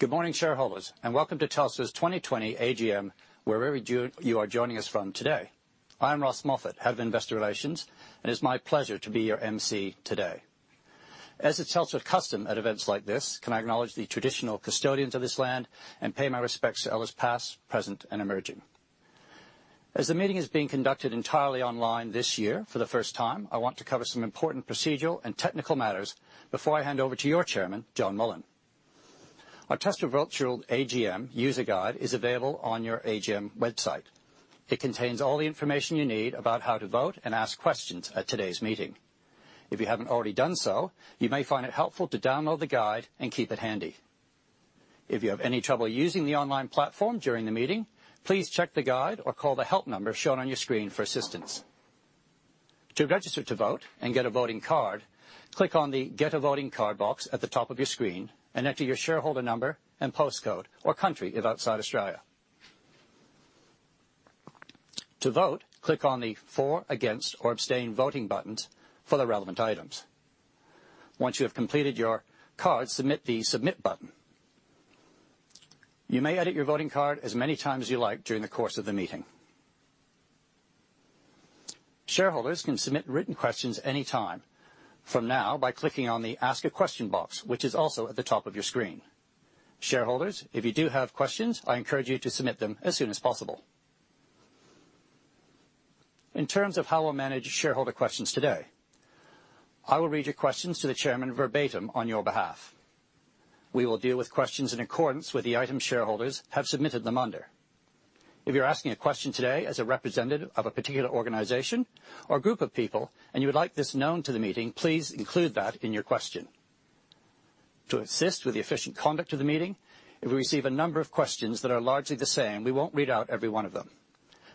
Good morning, shareholders, and welcome to Telstra's 2020 AGM, wherever you are joining us from today. I'm Ross Moffat, Head of Investor Relations, and it's my pleasure to be your emcee today. As is Telstra custom at events like this, can I acknowledge the traditional custodians of this land and pay my respects to elders past, present, and emerging. As the meeting is being conducted entirely online this year for the first time, I want to cover some important procedural and technical matters before I hand over to your chairman, John Mullen. Our Telstra Virtual AGM User Guide is available on your AGM website. It contains all the information you need about how to vote and ask questions at today's meeting. If you haven't already done so, you may find it helpful to download the guide and keep it handy. If you have any trouble using the online platform during the meeting, please check the guide or call the help number shown on your screen for assistance. To register to vote and get a voting card, click on the Get a Voting Card box at the top of your screen and enter your shareholder number and postcode, or country, if outside Australia. To vote, click on the For, Against, or Abstain voting buttons for the relevant items. Once you have completed your card, submit the Submit button. You may edit your voting card as many times as you like during the course of the meeting. Shareholders can submit written questions anytime. From now, by clicking on the Ask a Question box, which is also at the top of your screen. Shareholders, if you do have questions, I encourage you to submit them as soon as possible. In terms of how we'll manage shareholder questions today, I will read your questions to the chairman verbatim on your behalf. We will deal with questions in accordance with the item shareholders have submitted them under. If you're asking a question today as a representative of a particular organization or group of people, and you would like this known to the meeting, please include that in your question. To assist with the efficient conduct of the meeting, if we receive a number of questions that are largely the same, we won't read out every one of them,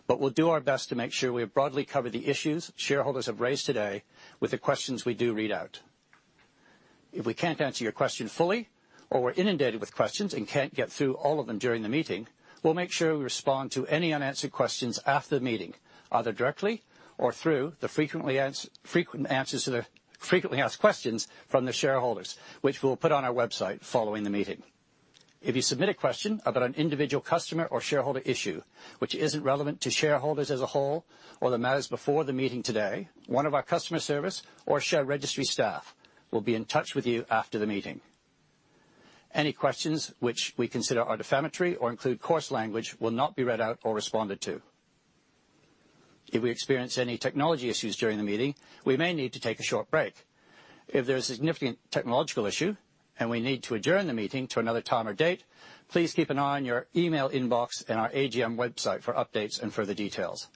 but we'll do our best to make sure we have broadly covered the issues shareholders have raised today with the questions we do read out. If we can't answer your question fully, or we're inundated with questions and can't get through all of them during the meeting, we'll make sure we respond to any unanswered questions after the meeting, either directly or through the frequent answers to the frequently asked questions from the shareholders, which we'll put on our website following the meeting. If you submit a question about an individual customer or shareholder issue, which isn't relevant to shareholders as a whole or the matters before the meeting today, one of our customer service or share registry staff will be in touch with you after the meeting. Any questions which we consider are defamatory or include coarse language will not be read out or responded to. If we experience any technology issues during the meeting, we may need to take a short break. If there is a significant technological issue and we need to adjourn the meeting to another time or date, please keep an eye on your email inbox and our AGM website for updates and further details.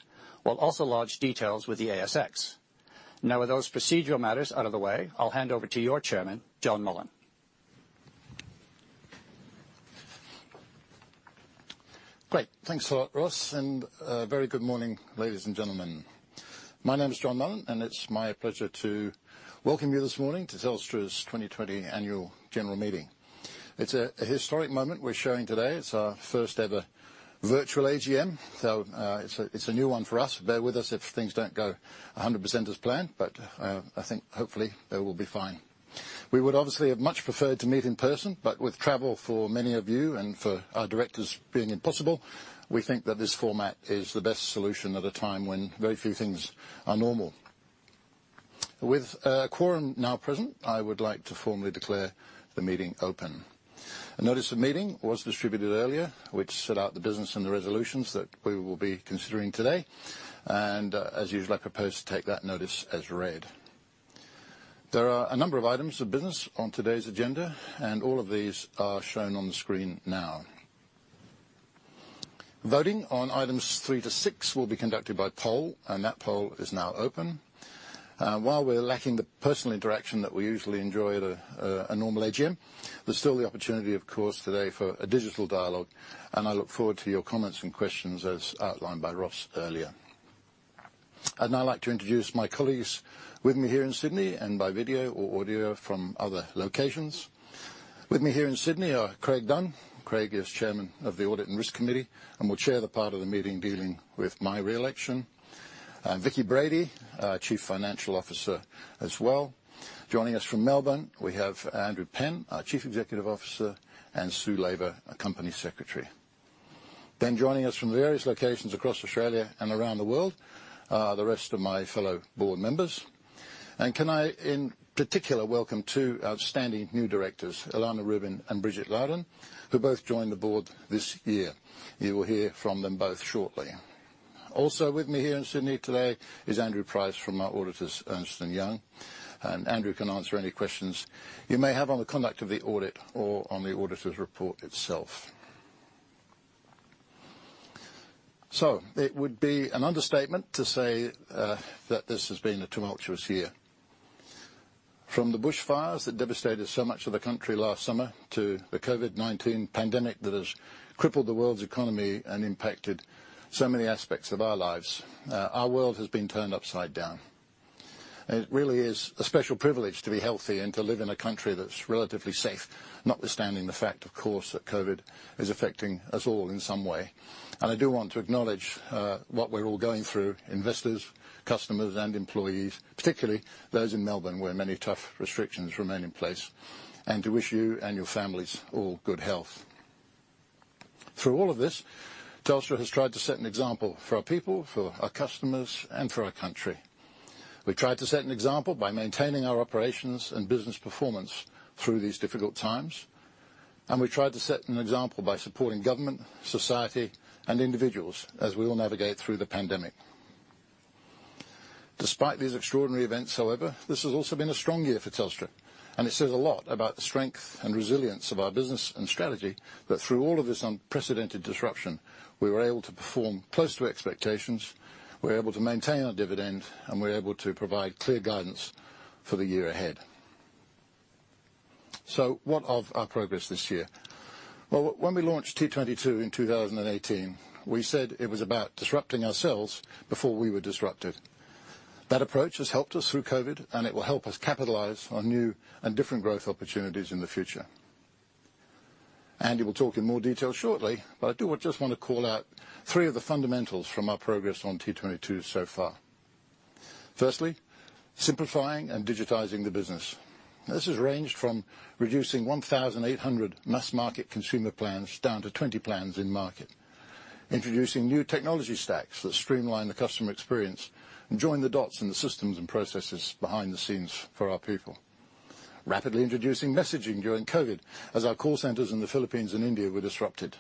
We'll also lodge details with the ASX. Now, with those procedural matters out of the way, I'll hand over to your chairman, John Mullen. Great. Thanks a lot, Ross, and a very good morning, ladies and gentlemen. My name is John Mullen, and it's my pleasure to welcome you this morning to Telstra's 2020 Annual General Meeting. It's a historic moment we're sharing today. It's our first-ever virtual AGM, so it's a new one for us. Bear with us if things don't go 100% as planned, but I think hopefully they will be fine. We would obviously have much preferred to meet in person, but with travel for many of you and for our directors being impossible, we think that this format is the best solution at a time when very few things are normal. With quorum now present, I would like to formally declare the meeting open. A notice of meeting was distributed earlier, which set out the business and the resolutions that we will be considering today, and as usual, I propose to take that notice as read. There are a number of items of business on today's agenda, and all of these are shown on the screen now. Voting on items three to six will be conducted by poll, and that poll is now open. While we're lacking the personal interaction that we usually enjoy at a normal AGM, there's still the opportunity, of course, today for a digital dialogue, and I look forward to your comments and questions, as outlined by Ross earlier. I'd now like to introduce my colleagues with me here in Sydney and by video or audio from other locations. With me here in Sydney are Craig Dunn. Craig is Chairman of the Audit and Risk Committee and will chair the part of the meeting dealing with my re-election. Vicki Brady, our Chief Financial Officer as well. Joining us from Melbourne, we have Andrew Penn, our Chief Executive Officer, and Sue Laver, our Company Secretary. Then joining us from the various locations across Australia and around the world, the rest of my fellow board members. And can I, in particular, welcome two outstanding new directors, Elana Rubin and Bridget Loudon, who both joined the board this year. You will hear from them both shortly. Also with me here in Sydney today is Andrew Price from our auditors, Ernst & Young, and Andrew can answer any questions you may have on the conduct of the audit or on the auditors' report itself. So it would be an understatement to say, that this has been a tumultuous year. From the bushfires that devastated so much of the country last summer to the COVID-19 pandemic that has crippled the world's economy and impacted so many aspects of our lives, our world has been turned upside down. It really is a special privilege to be healthy and to live in a country that's relatively safe, notwithstanding the fact, of course, that COVID is affecting us all in some way. And I do want to acknowledge, what we're all going through, investors, customers, and employees, particularly those in Melbourne, where many tough restrictions remain in place, and to wish you and your families all good health.... Through all of this, Telstra has tried to set an example for our people, for our customers, and for our country. We've tried to set an example by maintaining our operations and business performance through these difficult times, and we tried to set an example by supporting government, society, and individuals as we all navigate through the pandemic. Despite these extraordinary events, however, this has also been a strong year for Telstra, and it says a lot about the strength and resilience of our business and strategy that through all of this unprecedented disruption, we were able to perform close to expectations, we were able to maintain our dividend, and we were able to provide clear guidance for the year ahead. So what of our progress this year? Well, when we launched T22 in 2018, we said it was about disrupting ourselves before we were disrupted. That approach has helped us through COVID, and it will help us capitalize on new and different growth opportunities in the future. Andy will talk in more detail shortly, but I do just want to call out three of the fundamentals from our progress on T22 so far. Firstly, simplifying and digitizing the business. This has ranged from reducing 1,800 mass-market consumer plans down to 20 plans in-market. Introducing new technology stacks that streamline the customer experience, and join the dots in the systems and processes behind the scenes for our people. Rapidly introducing messaging during COVID, as our call centers in the Philippines and India were disrupted,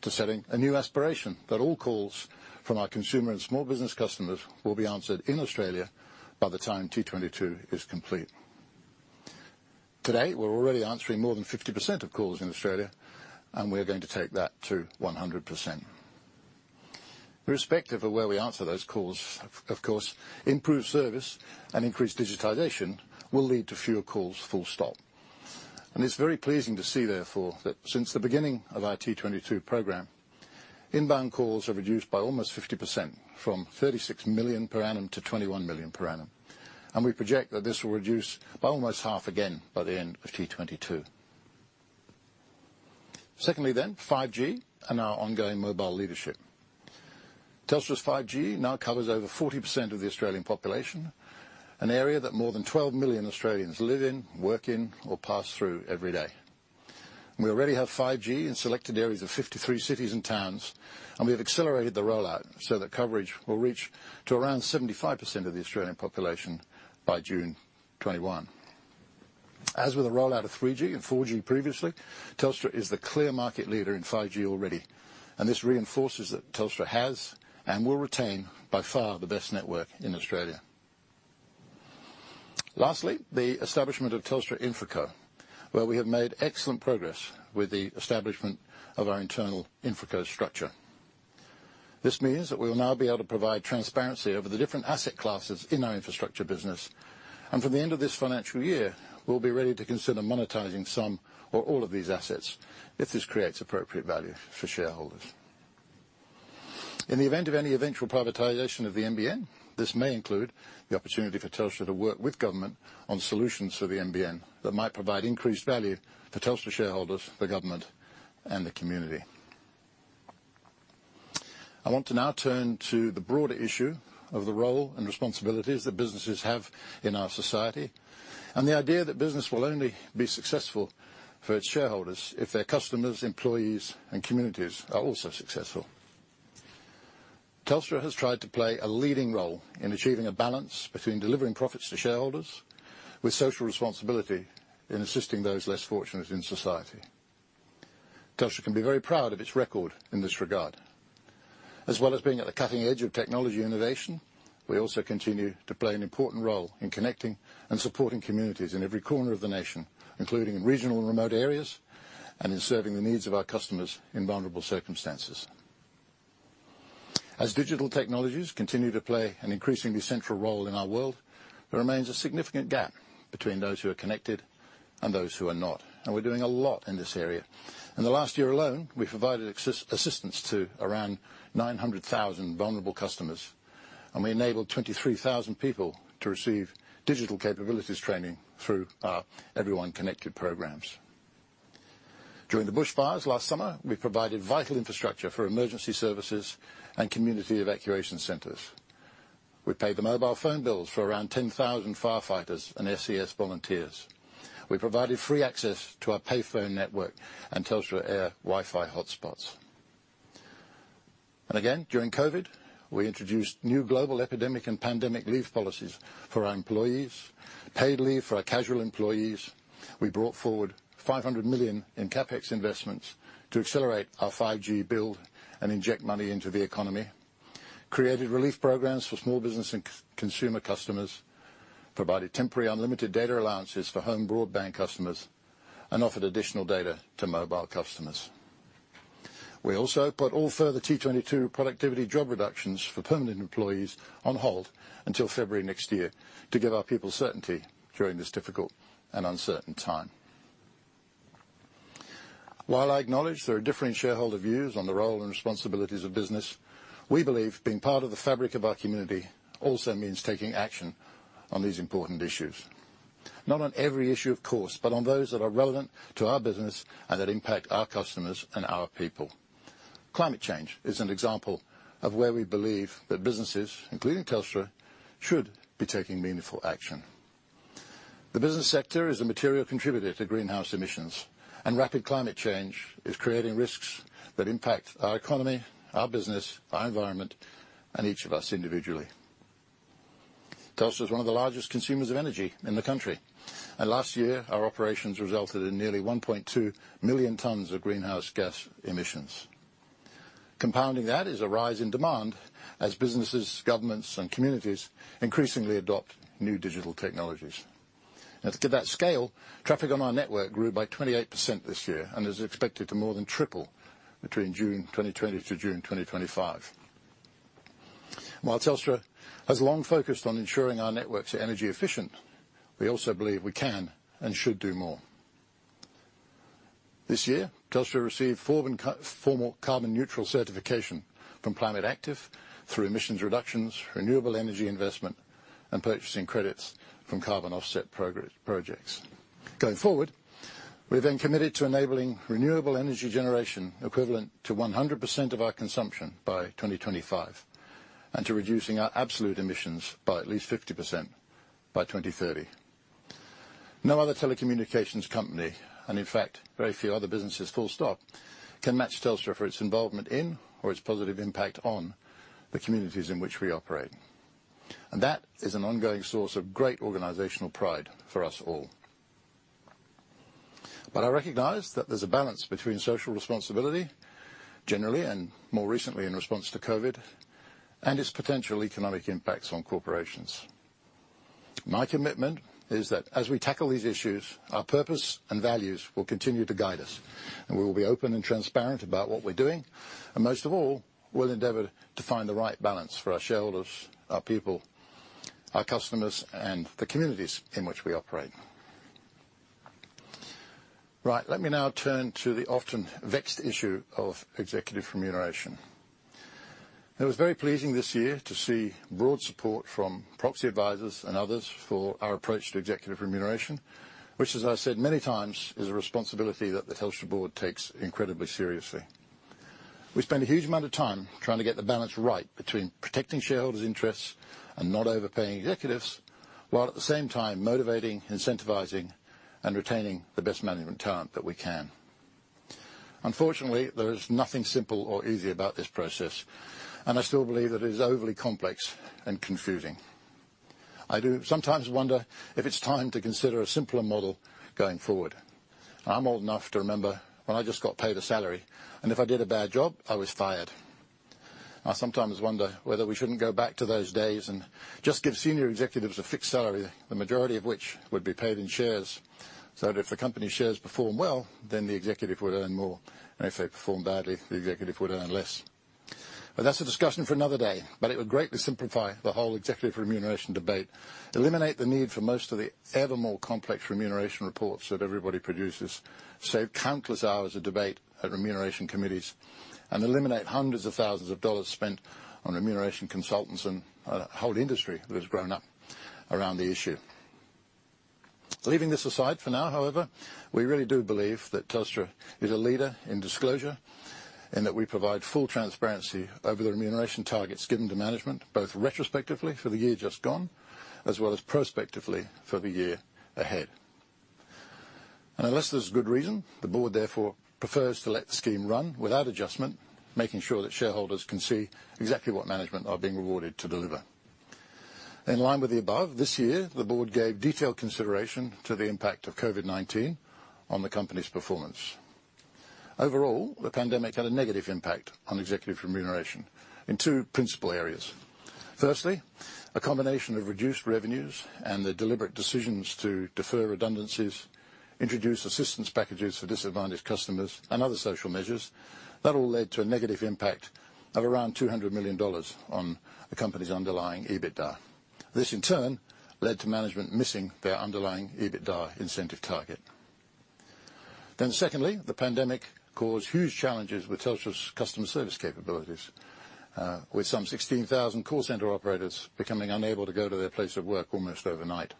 to setting a new aspiration that all calls from our consumer and small business customers will be answered in Australia by the time T22 is complete. Today, we're already answering more than 50% of calls in Australia, and we're going to take that to 100%. Irrespective of where we answer those calls, of course, improved service and increased digitization will lead to fewer calls. It's very pleasing to see, therefore, that since the beginning of our T22 program, inbound calls have reduced by almost 50%, from 36 million per annum to 21 million per annum. We project that this will reduce by almost half again by the end of T22. Secondly, then, 5G and our ongoing mobile leadership. Telstra's 5G now covers over 40% of the Australian population, an area that more than 12 million Australians live in, work in, or pass through every day. We already have 5G in selected areas of 53 cities and towns, and we've accelerated the rollout so that coverage will reach to around 75% of the Australian population by June 2021. As with the rollout of 3G and 4G previously, Telstra is the clear market leader in 5G already, and this reinforces that Telstra has and will retain, by far, the best network in Australia. Lastly, the establishment of Telstra InfraCo, where we have made excellent progress with the establishment of our internal InfraCo structure. This means that we will now be able to provide transparency over the different asset classes in our infrastructure business, and from the end of this financial year, we'll be ready to consider monetizing some or all of these assets if this creates appropriate value for shareholders. In the event of any eventual privatization of the NBN, this may include the opportunity for Telstra to work with government on solutions for the NBN that might provide increased value to Telstra shareholders, the government, and the community. I want to now turn to the broader issue of the role and responsibilities that businesses have in our society, and the idea that business will only be successful for its shareholders if their customers, employees, and communities are also successful. Telstra has tried to play a leading role in achieving a balance between delivering profits to shareholders with social responsibility in assisting those less fortunate in society. Telstra can be very proud of its record in this regard. As well as being at the cutting edge of technology innovation, we also continue to play an important role in connecting and supporting communities in every corner of the nation, including in regional and remote areas, and in serving the needs of our customers in vulnerable circumstances. As digital technologies continue to play an increasingly central role in our world, there remains a significant gap between those who are connected and those who are not, and we're doing a lot in this area. In the last year alone, we've provided access and assistance to around 900,000 vulnerable customers, and we enabled 23,000 people to receive digital capabilities training through our Everyone Connected programs. During the bushfires last summer, we provided vital infrastructure for emergency services and community evacuation centers. We paid the mobile phone bills for around 10,000 firefighters and SES volunteers. We provided free access to our payphone network and Telstra Air Wi-Fi hotspots. And again, during COVID, we introduced new global epidemic and pandemic leave policies for our employees, paid leave for our casual employees. We brought forward 500 million in CapEx investments to accelerate our 5G build and inject money into the economy, created relief programs for small business and consumer customers, provided temporary unlimited data allowances for home broadband customers, and offered additional data to mobile customers. We also put all further T22 productivity job reductions for permanent employees on hold until February next year to give our people certainty during this difficult and uncertain time. While I acknowledge there are differing shareholder views on the role and responsibilities of business, we believe being part of the fabric of our community also means taking action on these important issues. Not on every issue, of course, but on those that are relevant to our business and that impact our customers and our people. Climate change is an example of where we believe that businesses, including Telstra, should be taking meaningful action.... The business sector is a material contributor to greenhouse emissions, and rapid climate change is creating risks that impact our economy, our business, our environment, and each of us individually. Telstra is one of the largest consumers of energy in the country, and last year, our operations resulted in nearly 1.2 million tons of greenhouse gas emissions. Compounding that is a rise in demand as businesses, governments, and communities increasingly adopt new digital technologies. Now, to get that scale, traffic on our network grew by 28% this year, and is expected to more than triple between June 2020 to June 2025. While Telstra has long focused on ensuring our networks are energy efficient, we also believe we can and should do more. This year, Telstra received formal carbon neutral certification from Climate Active through emissions reductions, renewable energy investment, and purchasing credits from carbon offset projects. Going forward, we've then committed to enabling renewable energy generation equivalent to 100% of our consumption by 2025, and to reducing our absolute emissions by at least 50% by 2030. No other telecommunications company, and in fact, very few other businesses, full stop, can match Telstra for its involvement in or its positive impact on the communities in which we operate, and that is an ongoing source of great organizational pride for us all. But I recognize that there's a balance between social responsibility, generally, and more recently in response to COVID, and its potential economic impacts on corporations. My commitment is that as we tackle these issues, our purpose and values will continue to guide us, and we will be open and transparent about what we're doing, and most of all, we'll endeavor to find the right balance for our shareholders, our people, our customers, and the communities in which we operate. Right, let me now turn to the often vexed issue of executive remuneration. It was very pleasing this year to see broad support from proxy advisors and others for our approach to executive remuneration, which, as I've said many times, is a responsibility that the Telstra board takes incredibly seriously. We spend a huge amount of time trying to get the balance right between protecting shareholders' interests and not overpaying executives, while at the same time motivating, incentivizing, and retaining the best management talent that we can. Unfortunately, there is nothing simple or easy about this process, and I still believe that it is overly complex and confusing. I do sometimes wonder if it's time to consider a simpler model going forward. I'm old enough to remember when I just got paid a salary, and if I did a bad job, I was fired. I sometimes wonder whether we shouldn't go back to those days and just give senior executives a fixed salary, the majority of which would be paid in shares, so that if the company shares perform well, then the executive would earn more, and if they perform badly, the executive would earn less. But that's a discussion for another day, but it would greatly simplify the whole executive remuneration debate, eliminate the need for most of the ever more complex remuneration reports that everybody produces, save countless hours of debate at remuneration committees, and eliminate hundreds of thousands of AUD spent on remuneration consultants and a whole industry that has grown up around the issue. Leaving this aside for now, however, we really do believe that Telstra is a leader in disclosure, and that we provide full transparency over the remuneration targets given to management, both retrospectively for the year just gone, as well as prospectively for the year ahead. And unless there's good reason, the board therefore prefers to let the scheme run without adjustment, making sure that shareholders can see exactly what management are being rewarded to deliver. In line with the above, this year, the board gave detailed consideration to the impact of COVID-19 on the company's performance. Overall, the pandemic had a negative impact on executive remuneration in two principal areas. Firstly, a combination of reduced revenues and the deliberate decisions to defer redundancies, introduce assistance packages for disadvantaged customers and other social measures, that all led to a negative impact of around 200 million dollars on the company's underlying EBITDA. This, in turn, led to management missing their underlying EBITDA incentive target. Then secondly, the pandemic caused huge challenges with Telstra's customer service capabilities, with some 16,000 call center operators becoming unable to go to their place of work almost overnight.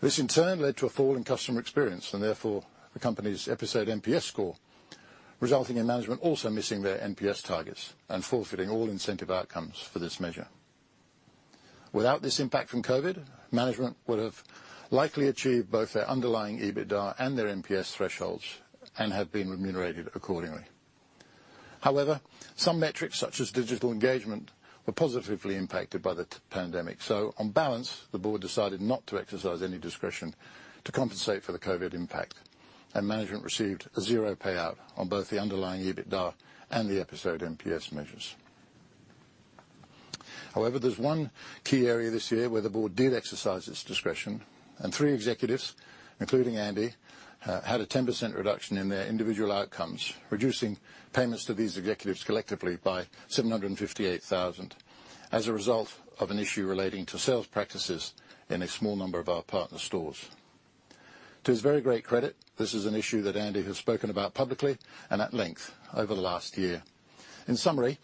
This, in turn, led to a fall in customer experience, and therefore, the company's episode NPS score, resulting in management also missing their NPS targets and forfeiting all incentive outcomes for this measure. Without this impact from COVID, management would have likely achieved both their underlying EBITDA and their NPS thresholds and have been remunerated accordingly. However, some metrics, such as digital engagement, were positively impacted by the pandemic, so on balance, the board decided not to exercise any discretion to compensate for the COVID impact, and management received a zero payout on both the underlying EBITDA and the episode NPS measures. However, there's one key area this year where the board did exercise its discretion, and three executives, including Andy, had a 10% reduction in their individual outcomes, reducing payments to these executives collectively by 758,000 as a result of an issue relating to sales practices in a small number of our partner stores. To his very great credit, this is an issue that Andy has spoken about publicly and at length over the last year. In summary,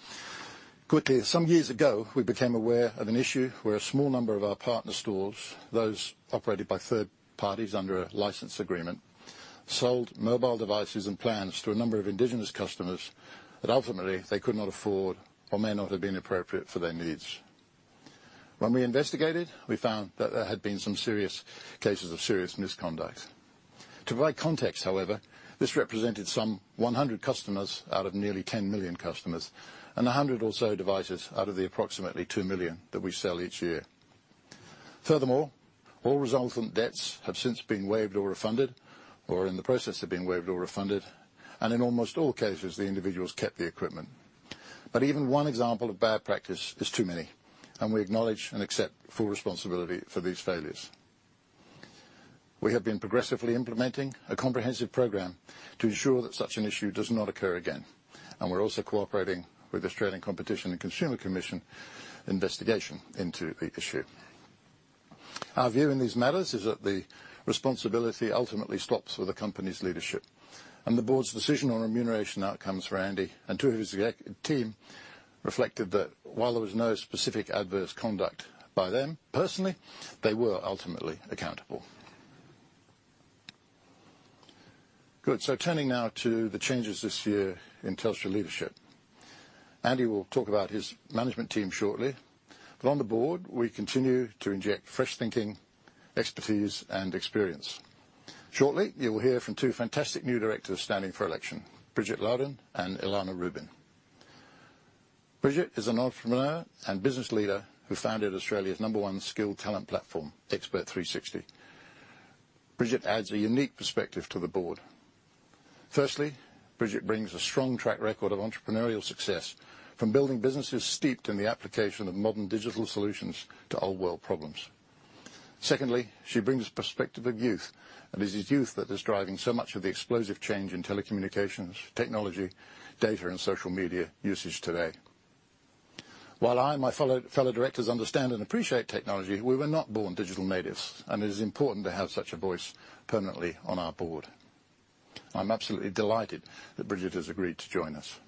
quickly, some years ago, we became aware of an issue where a small number of our partner stores, those operated by third parties under a license agreement, sold mobile devices and plans to a number of Indigenous customers that ultimately they could not afford or may not have been appropriate for their needs. When we investigated, we found that there had been some serious cases of serious misconduct. To provide context, however, this represented some 100 customers out of nearly 10 million customers, and 100 or so devices out of the approximately 2 million that we sell each year. Furthermore, all resultant debts have since been waived or refunded, or are in the process of being waived or refunded, and in almost all cases, the individuals kept the equipment. But even one example of bad practice is too many, and we acknowledge and accept full responsibility for these failures. We have been progressively implementing a comprehensive program to ensure that such an issue does not occur again, and we're also cooperating with Australian Competition and Consumer Commission investigation into the issue. Our view in these matters is that the responsibility ultimately stops with the company's leadership, and the board's decision on remuneration outcomes for Andy and two of his executive team reflected that while there was no specific adverse conduct by them personally, they were ultimately accountable. Good. So turning now to the changes this year in Telstra leadership. Andy will talk about his management team shortly, but on the board, we continue to inject fresh thinking, expertise, and experience. Shortly, you will hear from two fantastic new directors standing for election, Bridget Loudon and Elana Rubin. Bridget is an entrepreneur and business leader who founded Australia's number one skill talent platform, Expert360. Bridget adds a unique perspective to the board. Firstly, Bridget brings a strong track record of entrepreneurial success from building businesses steeped in the application of modern digital solutions to old world problems. Secondly, she brings a perspective of youth, and it is youth that is driving so much of the explosive change in telecommunications, technology, data, and social media usage today. While I and my fellow, fellow directors understand and appreciate technology, we were not born digital natives, and it is important to have such a voice permanently on our board. I'm absolutely delighted that Bridget has agreed to join us.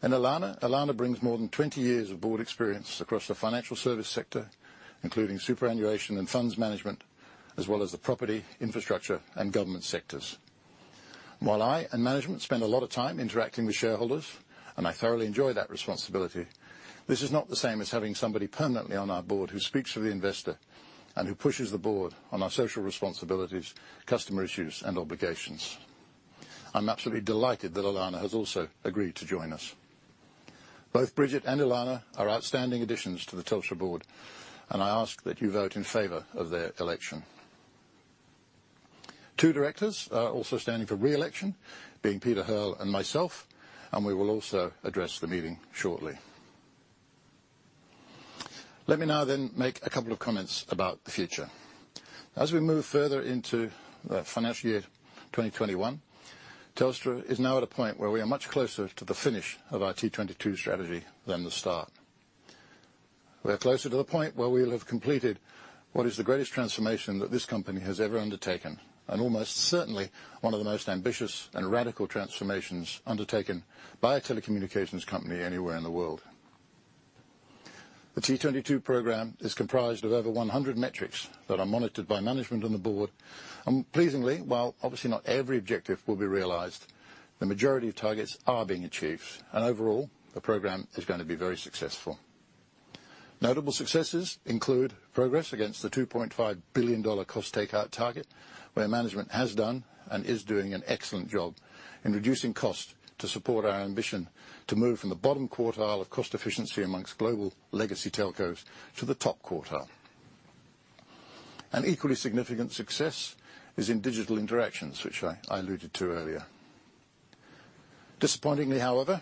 And Elana. Elana brings more than 20 years of board experience across the financial service sector, including superannuation and funds management, as well as the property, infrastructure, and government sectors. While I and management spend a lot of time interacting with shareholders, and I thoroughly enjoy that responsibility, this is not the same as having somebody permanently on our board who speaks for the investor and who pushes the board on our social responsibilities, customer issues, and obligations. I'm absolutely delighted that Elana has also agreed to join us. Both Bridget and Elana are outstanding additions to the Telstra board, and I ask that you vote in favor of their election. Two directors are also standing for re-election, being Peter Hearl and myself, and we will also address the meeting shortly. Let me now then make a couple of comments about the future. As we move further into the financial year 2021, Telstra is now at a point where we are much closer to the finish of our T22 strategy than the start. We are closer to the point where we will have completed what is the greatest transformation that this company has ever undertaken, and almost certainly one of the most ambitious and radical transformations undertaken by a telecommunications company anywhere in the world. The T22 program is comprised of over 100 metrics that are monitored by management and the board. Pleasingly, while obviously not every objective will be realized, the majority of targets are being achieved, and overall, the program is going to be very successful. Notable successes include progress against the 2.5 billion dollar cost takeout target, where management has done and is doing an excellent job in reducing cost to support our ambition to move from the bottom quartile of cost efficiency amongst global legacy telcos to the top quartile. An equally significant success is in digital interactions, which I, I alluded to earlier. Disappointingly, however,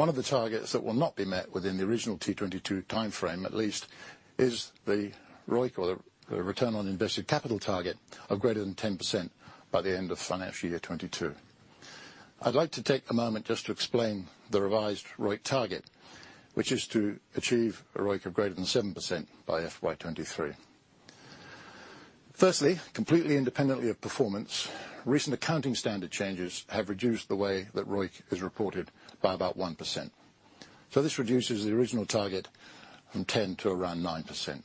one of the targets that will not be met within the original T22 timeframe, at least, is the ROIC, or the return on invested capital, target of greater than 10% by the end of financial year 2022. I'd like to take a moment just to explain the revised ROIC target, which is to achieve a ROIC of greater than 7% by FY 2023. Firstly, completely independently of performance, recent accounting standard changes have reduced the way that ROIC is reported by about 1%. So this reduces the original target from 10 to around 9%.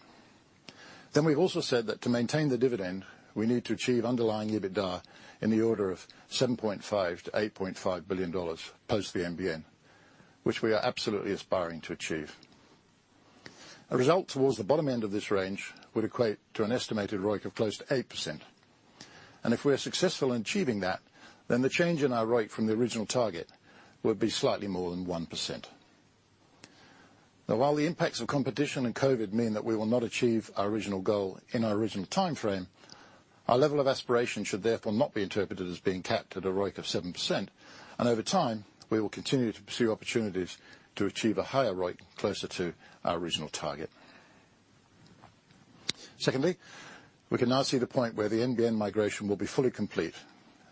Then we've also said that to maintain the dividend, we need to achieve underlying EBITDA in the order of 7.5 billion-8.5 billion dollars post the NBN, which we are absolutely aspiring to achieve. A result towards the bottom end of this range would equate to an estimated ROIC of close to 8%. And if we are successful in achieving that, then the change in our ROIC from the original target would be slightly more than 1%. Now, while the impacts of competition and COVID mean that we will not achieve our original goal in our original timeframe, our level of aspiration should therefore not be interpreted as being capped at a ROIC of 7%, and over time, we will continue to pursue opportunities to achieve a higher ROIC closer to our original target. Secondly, we can now see the point where the NBN migration will be fully complete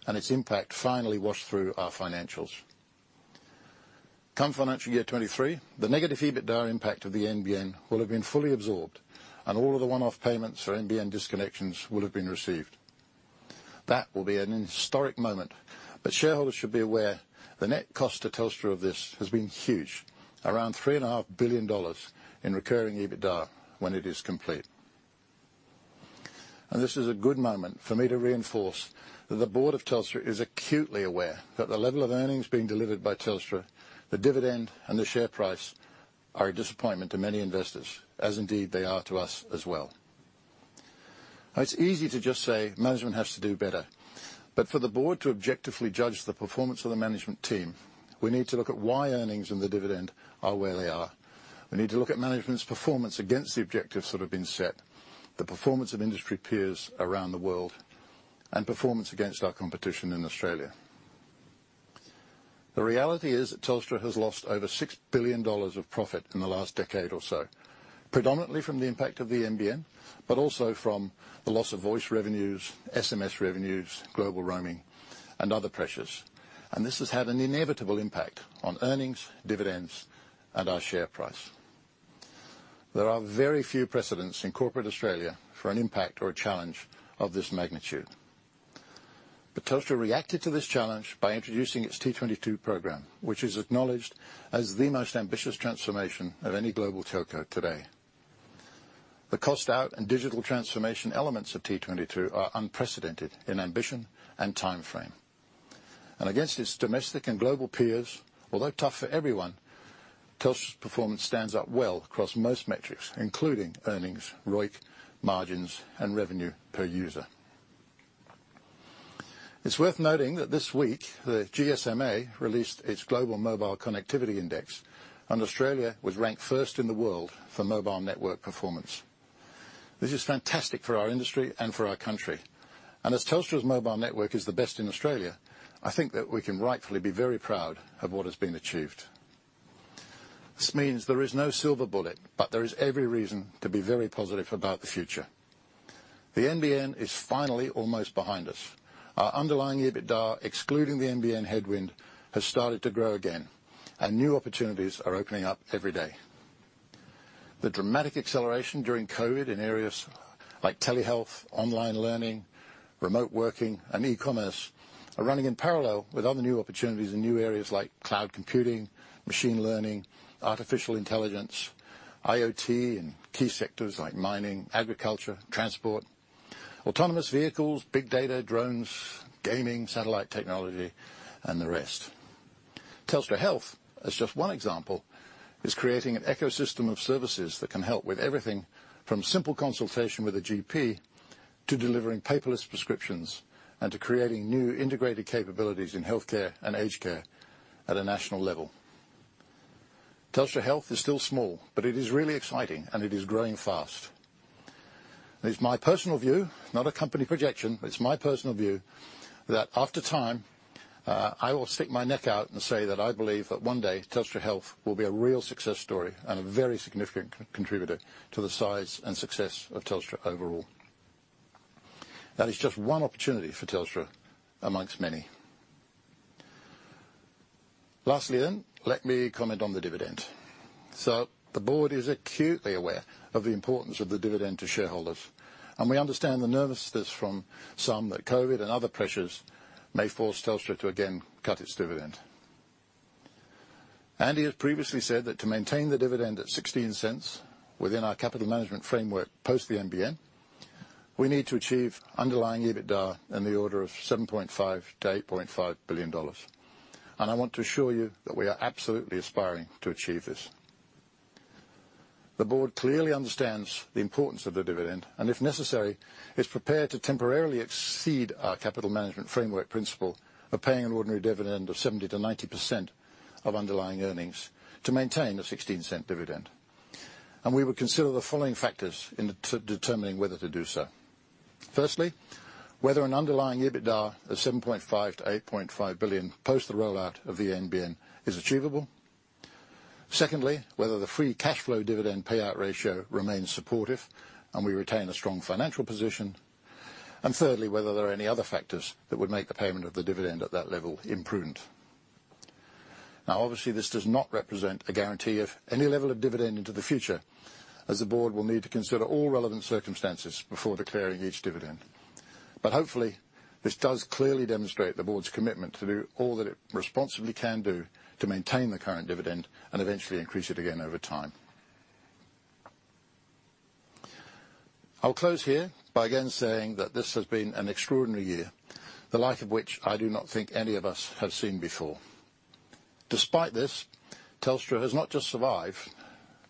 and its impact finally washed through our financials. Come financial year 2023, the negative EBITDA impact of the NBN will have been fully absorbed, and all of the one-off payments for NBN disconnections will have been received. That will be an historic moment, but shareholders should be aware the net cost to Telstra of this has been huge... around 3.5 billion dollars in recurring EBITDA when it is complete. This is a good moment for me to reinforce that the board of Telstra is acutely aware that the level of earnings being delivered by Telstra, the dividend, and the share price are a disappointment to many investors, as indeed they are to us as well. It's easy to just say management has to do better, but for the board to objectively judge the performance of the management team, we need to look at why earnings and the dividend are where they are. We need to look at management's performance against the objectives that have been set, the performance of industry peers around the world, and performance against our competition in Australia. The reality is that Telstra has lost over 6 billion dollars of profit in the last decade or so, predominantly from the impact of the NBN, but also from the loss of voice revenues, SMS revenues, global roaming, and other pressures, and this has had an inevitable impact on earnings, dividends, and our share price. There are very few precedents in corporate Australia for an impact or a challenge of this magnitude. But Telstra reacted to this challenge by introducing its T22 program, which is acknowledged as the most ambitious transformation of any global telco today. The cost out and digital transformation elements of T22 are unprecedented in ambition and timeframe. And against its domestic and global peers, although tough for everyone, Telstra's performance stands out well across most metrics, including earnings, ROIC, margins, and revenue per user. It's worth noting that this week, the GSMA released its global mobile connectivity index, and Australia was ranked first in the world for mobile network performance. This is fantastic for our industry and for our country, and as Telstra's mobile network is the best in Australia, I think that we can rightfully be very proud of what has been achieved. This means there is no silver bullet, but there is every reason to be very positive about the future. The NBN is finally almost behind us. Our underlying EBITDA, excluding the NBN headwind, has started to grow again, and new opportunities are opening up every day. The dramatic acceleration during COVID in areas like telehealth, online learning, remote working, and e-commerce are running in parallel with other new opportunities in new areas like cloud computing, machine learning, artificial intelligence, IoT in key sectors like mining, agriculture, transport, autonomous vehicles, big data, drones, gaming, satellite technology, and the rest. Telstra Health, as just one example, is creating an ecosystem of services that can help with everything from simple consultation with a GP to delivering paperless prescriptions and to creating new integrated capabilities in healthcare and aged care at a national level. Telstra Health is still small, but it is really exciting, and it is growing fast. It's my personal view, not a company projection, but it's my personal view that after time, I will stick my neck out and say that I believe that one day, Telstra Health will be a real success story and a very significant contributor to the size and success of Telstra overall. That is just one opportunity for Telstra among many. Lastly, then, let me comment on the dividend. So the board is acutely aware of the importance of the dividend to shareholders, and we understand the nervousness from some that COVID and other pressures may force Telstra to again cut its dividend. Andy has previously said that to maintain the dividend at 0.16 within our capital management framework post the NBN, we need to achieve underlying EBITDA in the order of 7.5 billion-8.5 billion dollars, and I want to assure you that we are absolutely aspiring to achieve this. The board clearly understands the importance of the dividend and, if necessary, is prepared to temporarily exceed our capital management framework principle of paying an ordinary dividend of 70%-90% of underlying earnings to maintain the 0.16 dividend. We would consider the following factors in determining whether to do so. Firstly, whether an underlying EBITDA of 7.5 billion-8.5 billion post the rollout of the NBN is achievable. Secondly, whether the free cash flow dividend payout ratio remains supportive, and we retain a strong financial position. Thirdly, whether there are any other factors that would make the payment of the dividend at that level imprudent. Now, obviously, this does not represent a guarantee of any level of dividend into the future, as the board will need to consider all relevant circumstances before declaring each dividend. But hopefully, this does clearly demonstrate the board's commitment to do all that it responsibly can do to maintain the current dividend and eventually increase it again over time. I'll close here by again saying that this has been an extraordinary year, the like of which I do not think any of us have seen before. Despite this, Telstra has not just survived,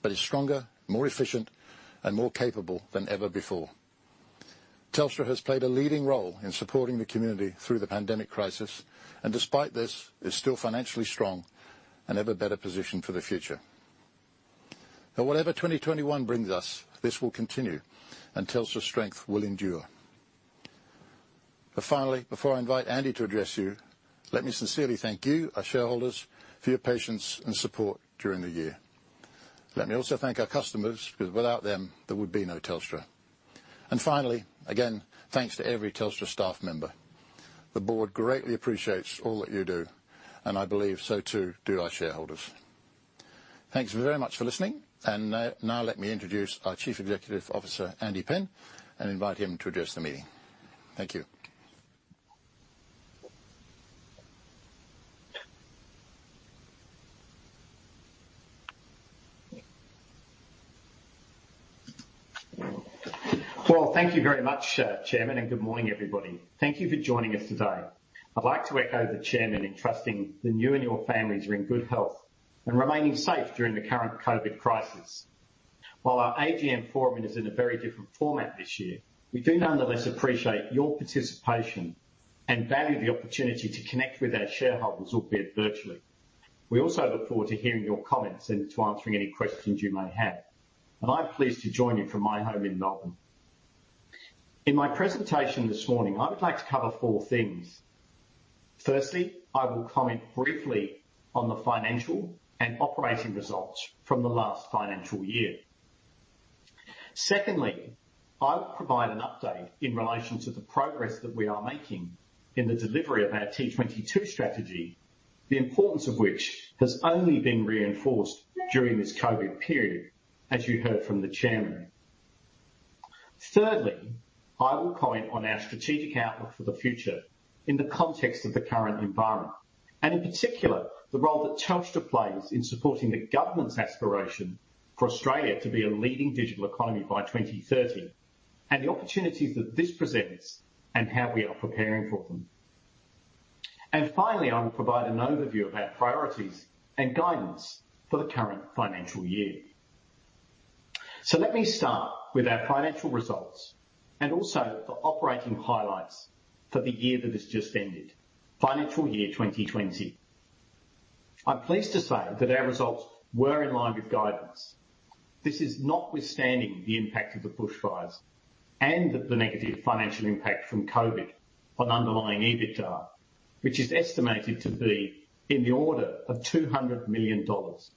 but is stronger, more efficient, and more capable than ever before. Telstra has played a leading role in supporting the community through the pandemic crisis, and despite this, is still financially strong and in a better position for the future. Now, whatever 2021 brings us, this will continue, and Telstra's strength will endure. But finally, before I invite Andy to address you, let me sincerely thank you, our shareholders, for your patience and support during the year. Let me also thank our customers, because without them, there would be no Telstra. And finally, again, thanks to every Telstra staff member. The board greatly appreciates all that you do, and I believe so, too, do our shareholders. Thanks very much for listening, and now let me introduce our Chief Executive Officer, Andy Penn, and invite him to address the meeting. Thank you.... Well, thank you very much, Chairman, and good morning, everybody. Thank you for joining us today. I'd like to echo the chairman in trusting that you and your families are in good health and remaining safe during the current COVID crisis. While our AGM forum is in a very different format this year, we do nonetheless appreciate your participation and value the opportunity to connect with our shareholders, albeit virtually. We also look forward to hearing your comments and to answering any questions you may have. I'm pleased to join you from my home in Melbourne. In my presentation this morning, I would like to cover four things. Firstly, I will comment briefly on the financial and operating results from the last financial year. Secondly, I will provide an update in relation to the progress that we are making in the delivery of our T22 strategy, the importance of which has only been reinforced during this COVID period, as you heard from the chairman. Thirdly, I will comment on our strategic outlook for the future in the context of the current environment, and in particular, the role that Telstra plays in supporting the government's aspiration for Australia to be a leading digital economy by 2030, and the opportunities that this presents and how we are preparing for them. Finally, I will provide an overview of our priorities and guidance for the current financial year. Let me start with our financial results and also the operating highlights for the year that has just ended, financial year 2020. I'm pleased to say that our results were in line with guidance. This is notwithstanding the impact of the bushfires and the negative financial impact from COVID on underlying EBITDA, which is estimated to be in the order of 200 million dollars.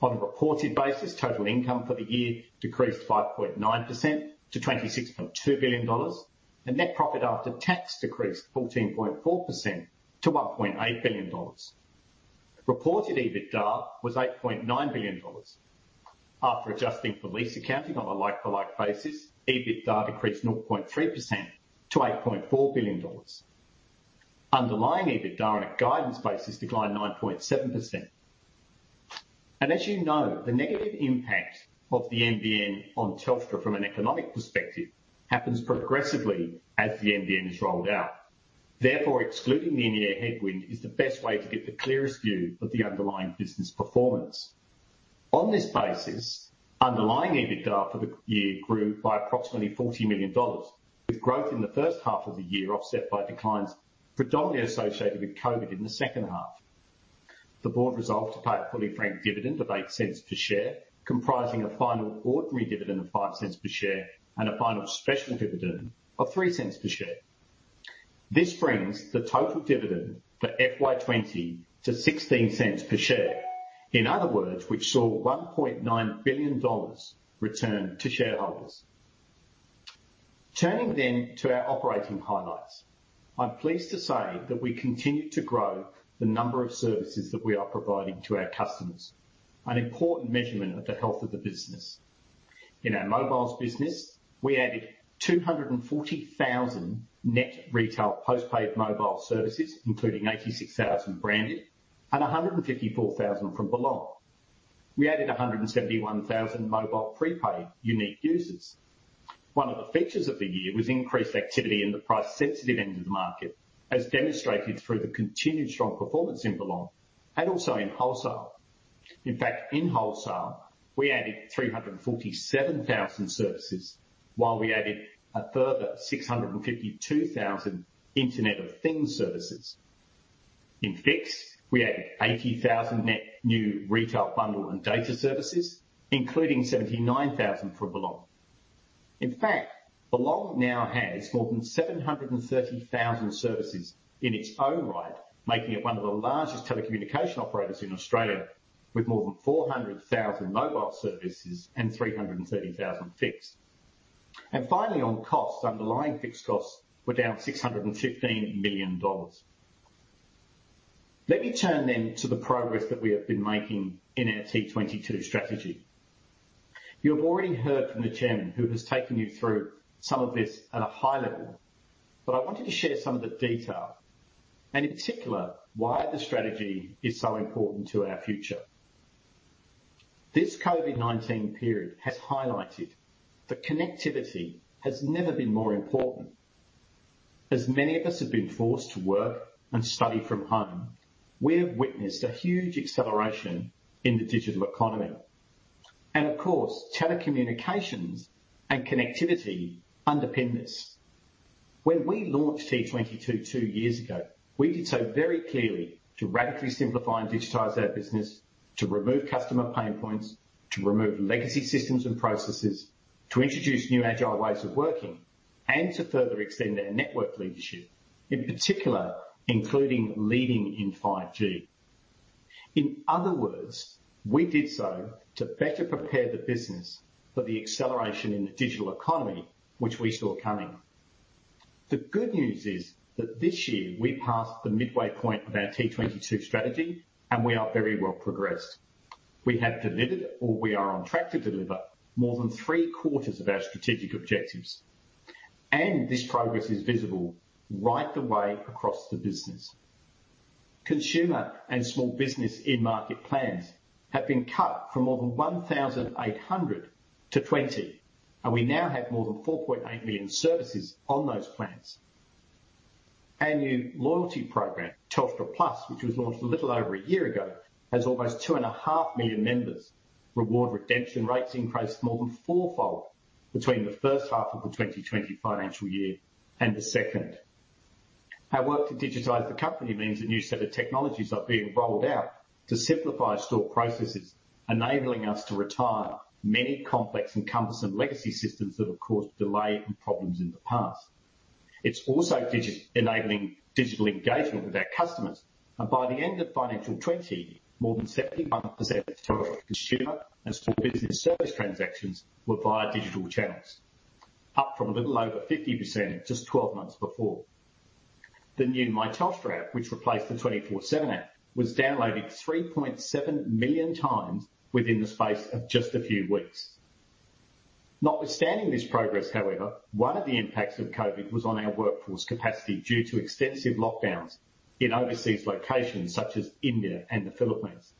On a reported basis, total income for the year decreased 5.9% to 26.2 billion dollars, and net profit after tax decreased 14.4% to 1.8 billion dollars. Reported EBITDA was 8.9 billion dollars. After adjusting for lease accounting on a like-for-like basis, EBITDA decreased 0.3% to 8.4 billion dollars. Underlying EBITDA on a guidance basis declined 9.7%. As you know, the negative impact of the NBN on Telstra from an economic perspective happens progressively as the NBN is rolled out. Therefore, excluding the NBN headwind is the best way to get the clearest view of the underlying business performance. On this basis, underlying EBITDA for the year grew by approximately 40 million dollars, with growth in the H1 of the year offset by declines predominantly associated with COVID in the H2. The board resolved to pay a fully franked dividend of 0.08 per share, comprising a final ordinary dividend of 0.05 per share and a final special dividend of 0.03 per share. This brings the total dividend for FY 2020 to 0.16 per share. In other words, we saw 1.9 billion dollars returned to shareholders. Turning then to our operating highlights, I'm pleased to say that we continued to grow the number of services that we are providing to our customers, an important measurement of the health of the business. In our mobiles business, we added 240,000 net retail post-paid mobile services, including 86,000 branded and 154,000 from Belong. We added 171,000 mobile prepaid unique users. One of the features of the year was increased activity in the price sensitive end of the market, as demonstrated through the continued strong performance in Belong and also in Wholesale. In fact, in Wholesale, we added 347,000 services, while we added a further 652,000 Internet of Things services. In Fixed, we added 80,000 net new retail bundle and data services, including 79,000 from Belong. In fact, Belong now has more than 730,000 services in its own right, making it one of the largest telecommunications operators in Australia, with more than 400,000 mobile services and 330,000 fixed. Finally, on costs, underlying fixed costs were down 615 million dollars. Let me turn then to the progress that we have been making in our T22 strategy. You have already heard from the Chairman, who has taken you through some of this at a high level, but I wanted to share some of the detail, and in particular, why the strategy is so important to our future. This COVID-19 period has highlighted that connectivity has never been more important. As many of us have been forced to work and study from home, we have witnessed a huge acceleration in the digital economy. And of course, telecommunications and connectivity underpin this. When we launched T22 two years ago, we did so very clearly to radically simplify and digitize our business, to remove customer pain points, to remove legacy systems and processes, to introduce new agile ways of working, and to further extend our network leadership, in particular, including leading in 5G. In other words, we did so to better prepare the business for the acceleration in the digital economy, which we saw coming. The good news is that this year we passed the midway point of our T22 strategy, and we are very well progressed. We have delivered or we are on track to deliver more than three-quarters of our strategic objectives, and this progress is visible right the way across the business. Consumer and small business in-market plans have been cut from more than 1,800 to 20, and we now have more than 4.8 million services on those plans. Our new loyalty program, Telstra Plus, which was launched a little over a year ago, has almost 2.5 million members. Reward redemption rates increased more than fourfold between the H1 of the 2020 financial year and the second. Our work to digitize the company means a new set of technologies are being rolled out to simplify store processes, enabling us to retire many complex and cumbersome legacy systems that have caused delay and problems in the past. It's also enabling digital engagement with our customers, and by the end of financial 2020, more than 71% of Telstra consumer and small business service transactions were via digital channels, up from a little over 50% just 12 months before. The new My Telstra app, which replaced the 24x7 app, was downloaded 3.7 million times within the space of just a few weeks. Notwithstanding this progress, however, one of the impacts of COVID was on our workforce capacity due to extensive lockdowns in overseas locations such as India and the Philippines,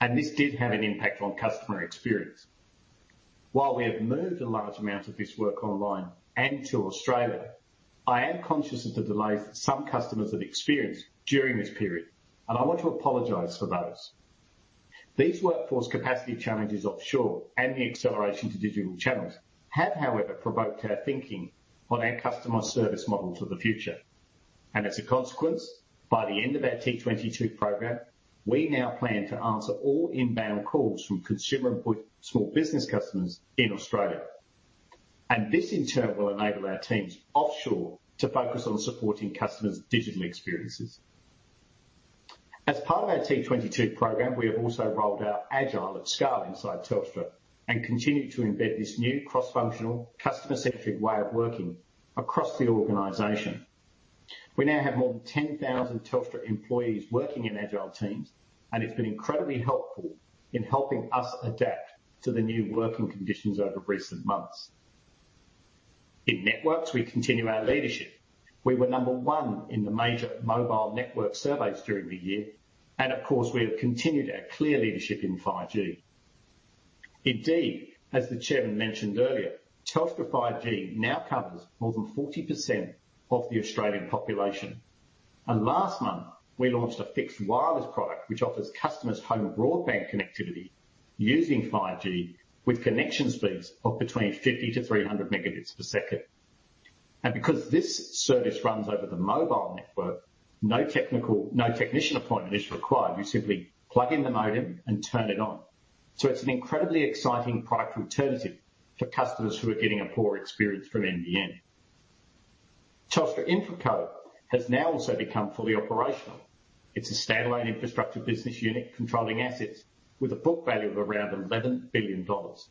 and this did have an impact on customer experience. While we have moved a large amount of this work online and to Australia, I am conscious of the delays some customers have experienced during this period, and I want to apologize for those. These workforce capacity challenges offshore and the acceleration to digital channels have, however, provoked our thinking on our customer service model for the future. As a consequence, by the end of our T22 program, we now plan to answer all inbound calls from consumer and small business customers in Australia. This, in turn, will enable our teams offshore to focus on supporting customers' digital experiences. As part of our T22 program, we have also rolled out Agile at scale inside Telstra and continue to embed this new cross-functional, customer-centric way of working across the organization. We now have more than 10,000 Telstra employees working in Agile teams, and it's been incredibly helpful in helping us adapt to the new working conditions over recent months. In networks, we continue our leadership. We were number one in the major mobile network surveys during the year, and of course, we have continued our clear leadership in 5G. Indeed, as the chairman mentioned earlier, Telstra 5G now covers more than 40% of the Australian population. And last month, we launched a fixed wireless product, which offers customers home broadband connectivity using 5G, with connection speeds of between 50-300 Mbps. And because this service runs over the mobile network, no technician appointment is required. You simply plug in the modem and turn it on. So it's an incredibly exciting product alternative for customers who are getting a poor experience from NBN. Telstra InfraCo has now also become fully operational. It's a standalone infrastructure business unit, controlling assets with a book value of around 11 billion dollars.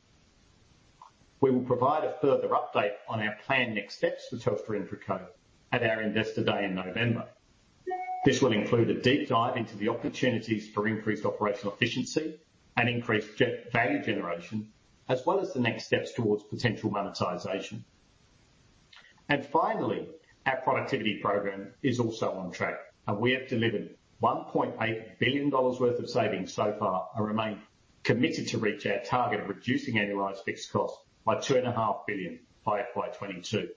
We will provide a further update on our planned next steps for Telstra InfraCo at our Investor Day in November. This will include a deep dive into the opportunities for increased operational efficiency and increased value generation, as well as the next steps towards potential monetization. Finally, our productivity program is also on track, and we have delivered 1.8 billion dollars worth of savings so far and remain committed to reach our target of reducing annualized fixed costs by 2.5 billion by FY 2022.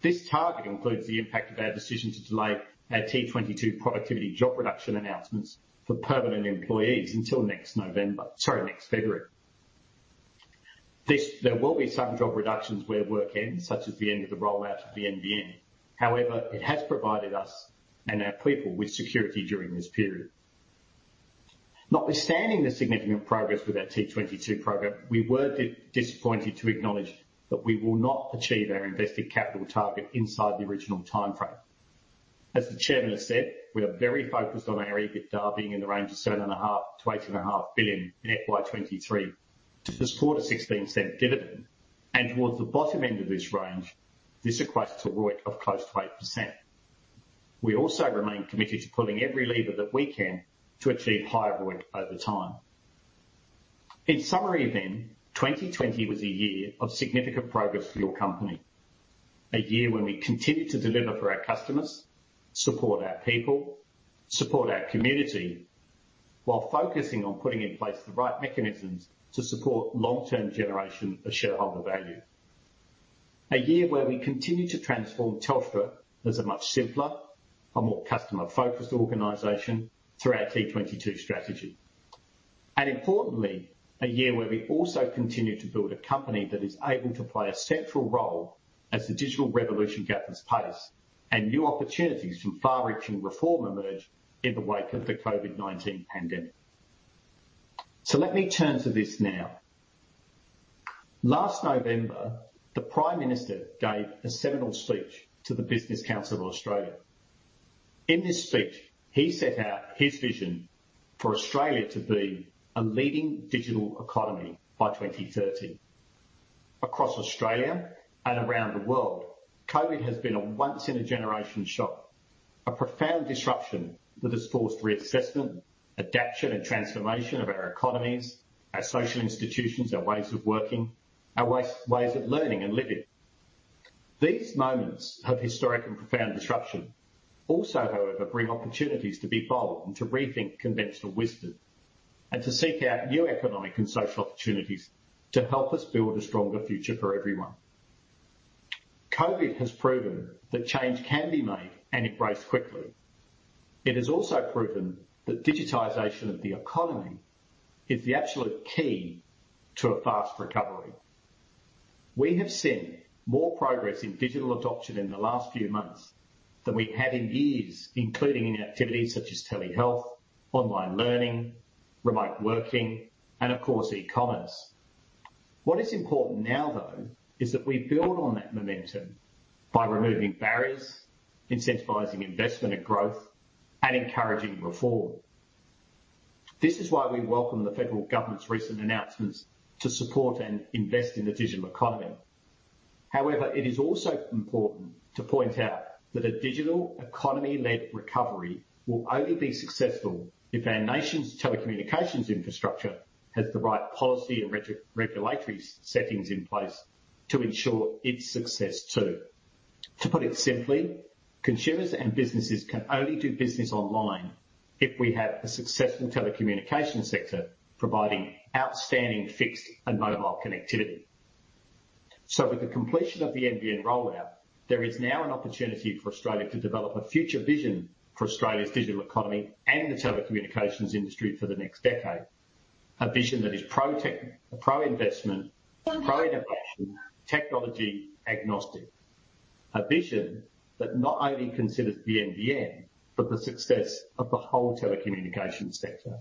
This target includes the impact of our decision to delay our T22 productivity job reduction announcements for permanent employees until next November, sorry, next February. This. There will be some job reductions where work ends, such as the end of the rollout of the NBN. However, it has provided us and our people with security during this period. Notwithstanding the significant progress with our T22 program, we were disappointed to acknowledge that we will not achieve our invested capital target inside the original timeframe. As the chairman has said, we are very focused on our EBITDA being in the range of 7.5 billion-8.5 billion in FY 2023 to support a 0.16 dividend, and towards the bottom end of this range, this equates to a ROIC of close to 8%. We also remain committed to pulling every lever that we can to achieve higher ROIC over time. In summary, then, 2020 was a year of significant progress for your company. A year when we continued to deliver for our customers, support our people, support our community, while focusing on putting in place the right mechanisms to support long-term generation of shareholder value. A year where we continued to transform Telstra as a much simpler and more customer-focused organization through our T22 strategy. Importantly, a year where we also continued to build a company that is able to play a central role as the digital revolution gathers pace and new opportunities from far-reaching reform emerge in the wake of the COVID-19 pandemic. Let me turn to this now. Last November, the Prime Minister gave a seminal speech to the Business Council of Australia. In this speech, he set out his vision for Australia to be a leading digital economy by 2030.... Across Australia and around the world, COVID has been a once in a generation shock, a profound disruption that has forced reassessment, adaptation, and transformation of our economies, our social institutions, our ways of working, our ways of learning and living. These moments of historic and profound disruption also, however, bring opportunities to be bold and to rethink conventional wisdom, and to seek out new economic and social opportunities to help us build a stronger future for everyone. COVID has proven that change can be made and embraced quickly. It has also proven that digitization of the economy is the absolute key to a fast recovery. We have seen more progress in digital adoption in the last few months than we have in years, including in activities such as telehealth, online learning, remote working, and of course, e-commerce. What is important now, though, is that we build on that momentum by removing barriers, incentivizing investment and growth, and encouraging reform. This is why we welcome the federal government's recent announcements to support and invest in the digital economy. However, it is also important to point out that a digital economy-led recovery will only be successful if our nation's telecommunications infrastructure has the right policy and regulatory settings in place to ensure its success, too. To put it simply, consumers and businesses can only do business online if we have a successful telecommunication sector providing outstanding fixed and mobile connectivity. So with the completion of the NBN rollout, there is now an opportunity for Australia to develop a future vision for Australia's digital economy and the telecommunications industry for the next decade. A vision that is pro-tech, pro-investment, pro-innovation, technology agnostic. A vision that not only considers the NBN, but the success of the whole telecommunications sector.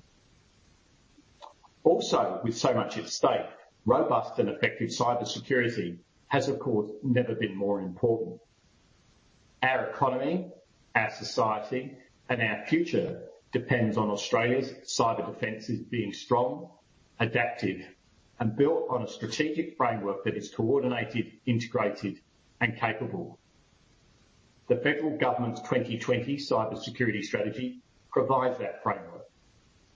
Also, with so much at stake, robust and effective cybersecurity has, of course, never been more important. Our economy, our society, and our future depends on Australia's cyber defenses being strong, adaptive, and built on a strategic framework that is coordinated, integrated, and capable. The federal government's 2020 Cyber Security Strategy provides that framework,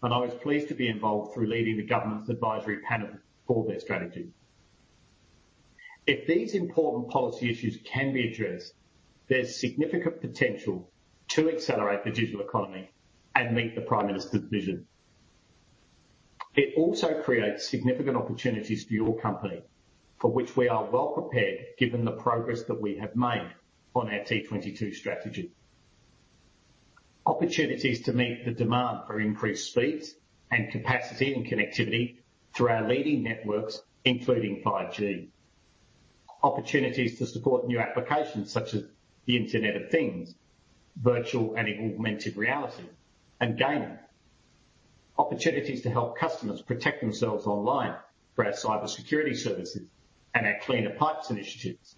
and I was pleased to be involved through leading the government's advisory panel for their strategy. If these important policy issues can be addressed, there's significant potential to accelerate the digital economy and meet the Prime Minister's vision. It also creates significant opportunities for your company, for which we are well prepared, given the progress that we have made on our T22 strategy. Opportunities to meet the demand for increased speeds and capacity and connectivity through our leading networks, including 5G. Opportunities to support new applications such as the Internet of Things, virtual and augmented reality, and gaming. Opportunities to help customers protect themselves online through our cybersecurity services and our Cleaner Pipes initiatives.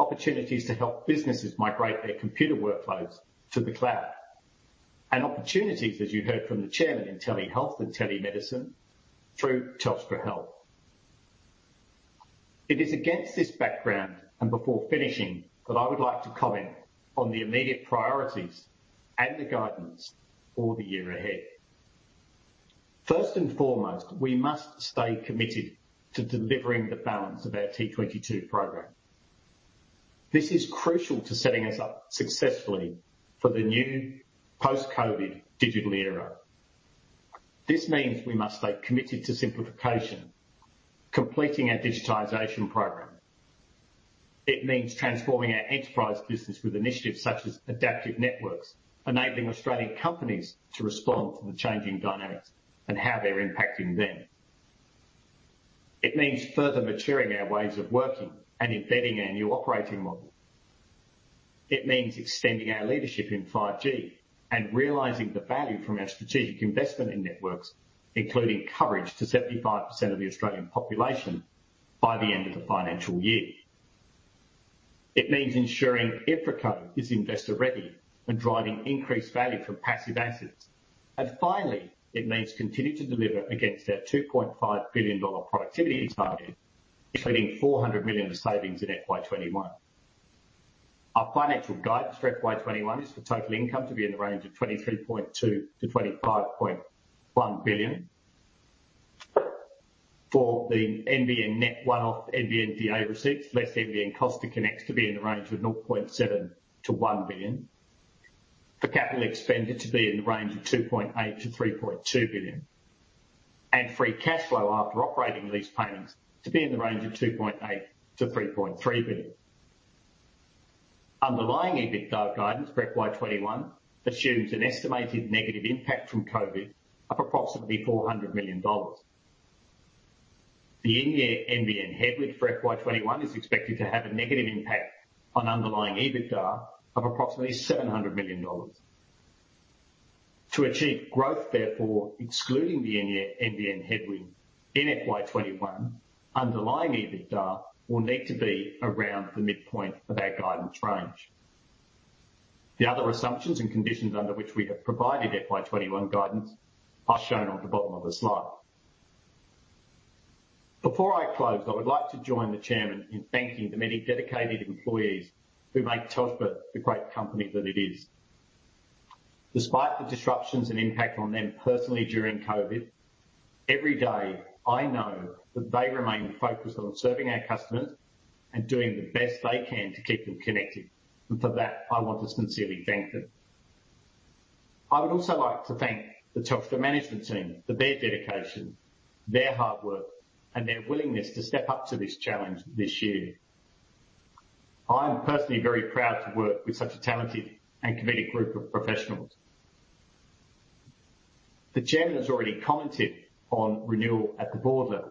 Opportunities to help businesses migrate their computer workloads to the cloud. Opportunities, as you heard from the chairman, in telehealth and telemedicine through Telstra Health. It is against this background, and before finishing, that I would like to comment on the immediate priorities and the guidance for the year ahead. First and foremost, we must stay committed to delivering the balance of our T22 program. This is crucial to setting us up successfully for the new post-COVID digital era. This means we must stay committed to simplification, completing our digitization program. It means transforming our enterprise business with initiatives such as Adaptive Networks, enabling Australian companies to respond to the changing dynamics and how they're impacting them. It means further maturing our ways of working and embedding our new operating model. It means extending our leadership in 5G and realizing the value from our strategic investment in networks, including coverage to 75% of the Australian population by the end of the financial year. It means ensuring InfraCo is investor-ready and driving increased value from passive assets. And finally, it means continue to deliver against our AUD 2.5 billion productivity target, including AUD 400 million of savings in FY 2021. Our financial guidance for FY 2021 is for total income to be in the range of 23.2 billion-25.1 billion. For the NBN net one-off NBN DA receipts less NBN cost to connect, to be in the range of 0.7 billion-1 billion. For capital expenditure, to be in the range of 2.8 billion-3.2 billion. Free cash flow after operating lease payments to be in the range of 2.8 billion-3.3 billion. Underlying EBITDA guidance for FY21 assumes an estimated negative impact from COVID of approximately 400 million dollars. The in-year NBN headwind for FY21 is expected to have a negative impact on underlying EBITDA of approximately 700 million dollars. To achieve growth, therefore, excluding the in-year NBN headwind in FY21, underlying EBITDA will need to be around the midpoint of our guidance range. The other assumptions and conditions under which we have provided FY21 guidance are shown on the bottom of the slide. Before I close, I would like to join the chairman in thanking the many dedicated employees who make Telstra the great company that it is. Despite the disruptions and impact on them personally during COVID, every day I know that they remain focused on serving our customers and doing the best they can to keep them connected, and for that, I want to sincerely thank them. I would also like to thank the Telstra management team for their dedication, their hard work, and their willingness to step up to this challenge this year. I am personally very proud to work with such a talented and committed group of professionals. The chairman has already commented on renewal at the board level,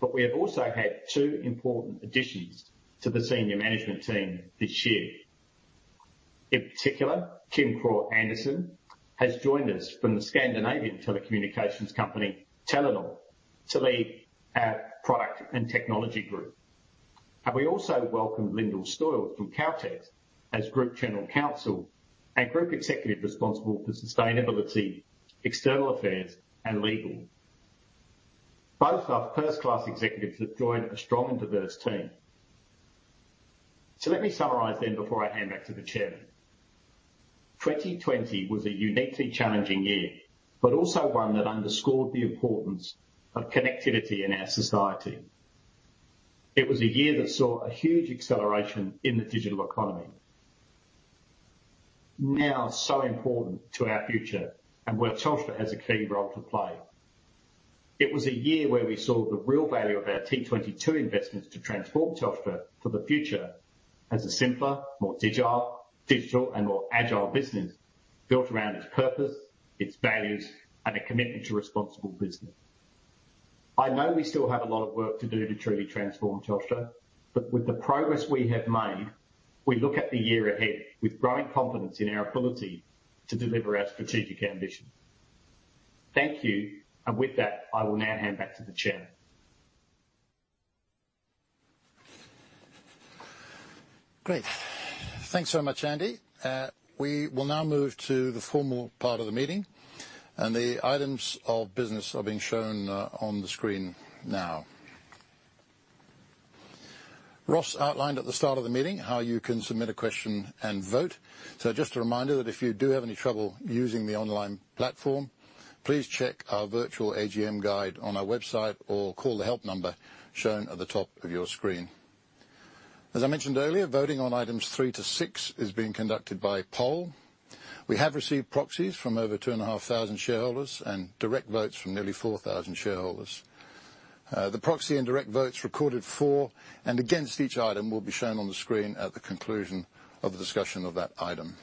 but we have also had two important additions to the senior management team this year. In particular, Kim Krogh Andersen has joined us from the Scandinavian telecommunications company, Telenor, to lead our product and technology group. We also welcomed Lyndall Stoyles from Caltex as Group General Counsel and Group Executive responsible for sustainability, external affairs, and legal. Both are first-class executives that joined a strong and diverse team. Let me summarize then before I hand back to the chairman. 2020 was a uniquely challenging year, but also one that underscored the importance of connectivity in our society. It was a year that saw a huge acceleration in the digital economy, now so important to our future and where Telstra has a key role to play. It was a year where we saw the real value of our T22 investments to transform Telstra for the future as a simpler, more digital, digital and more agile business built around its purpose, its values, and a commitment to responsible business. I know we still have a lot of work to do to truly transform Telstra, but with the progress we have made, we look at the year ahead with growing confidence in our ability to deliver our strategic ambition. Thank you, and with that, I will now hand back to the Chairman. Great. Thanks so much, Andy. We will now move to the formal part of the meeting, and the items of business are being shown on the screen now. Ross outlined at the start of the meeting how you can submit a question and vote. So just a reminder that if you do have any trouble using the online platform, please check our virtual AGM guide on our website or call the help number shown at the top of your screen. As I mentioned earlier, voting on items three to six is being conducted by poll. We have received proxies from over 2,500 shareholders and direct votes from nearly 4,000 shareholders. The proxy and direct votes recorded for and against each item will be shown on the screen at the conclusion of the discussion of that item.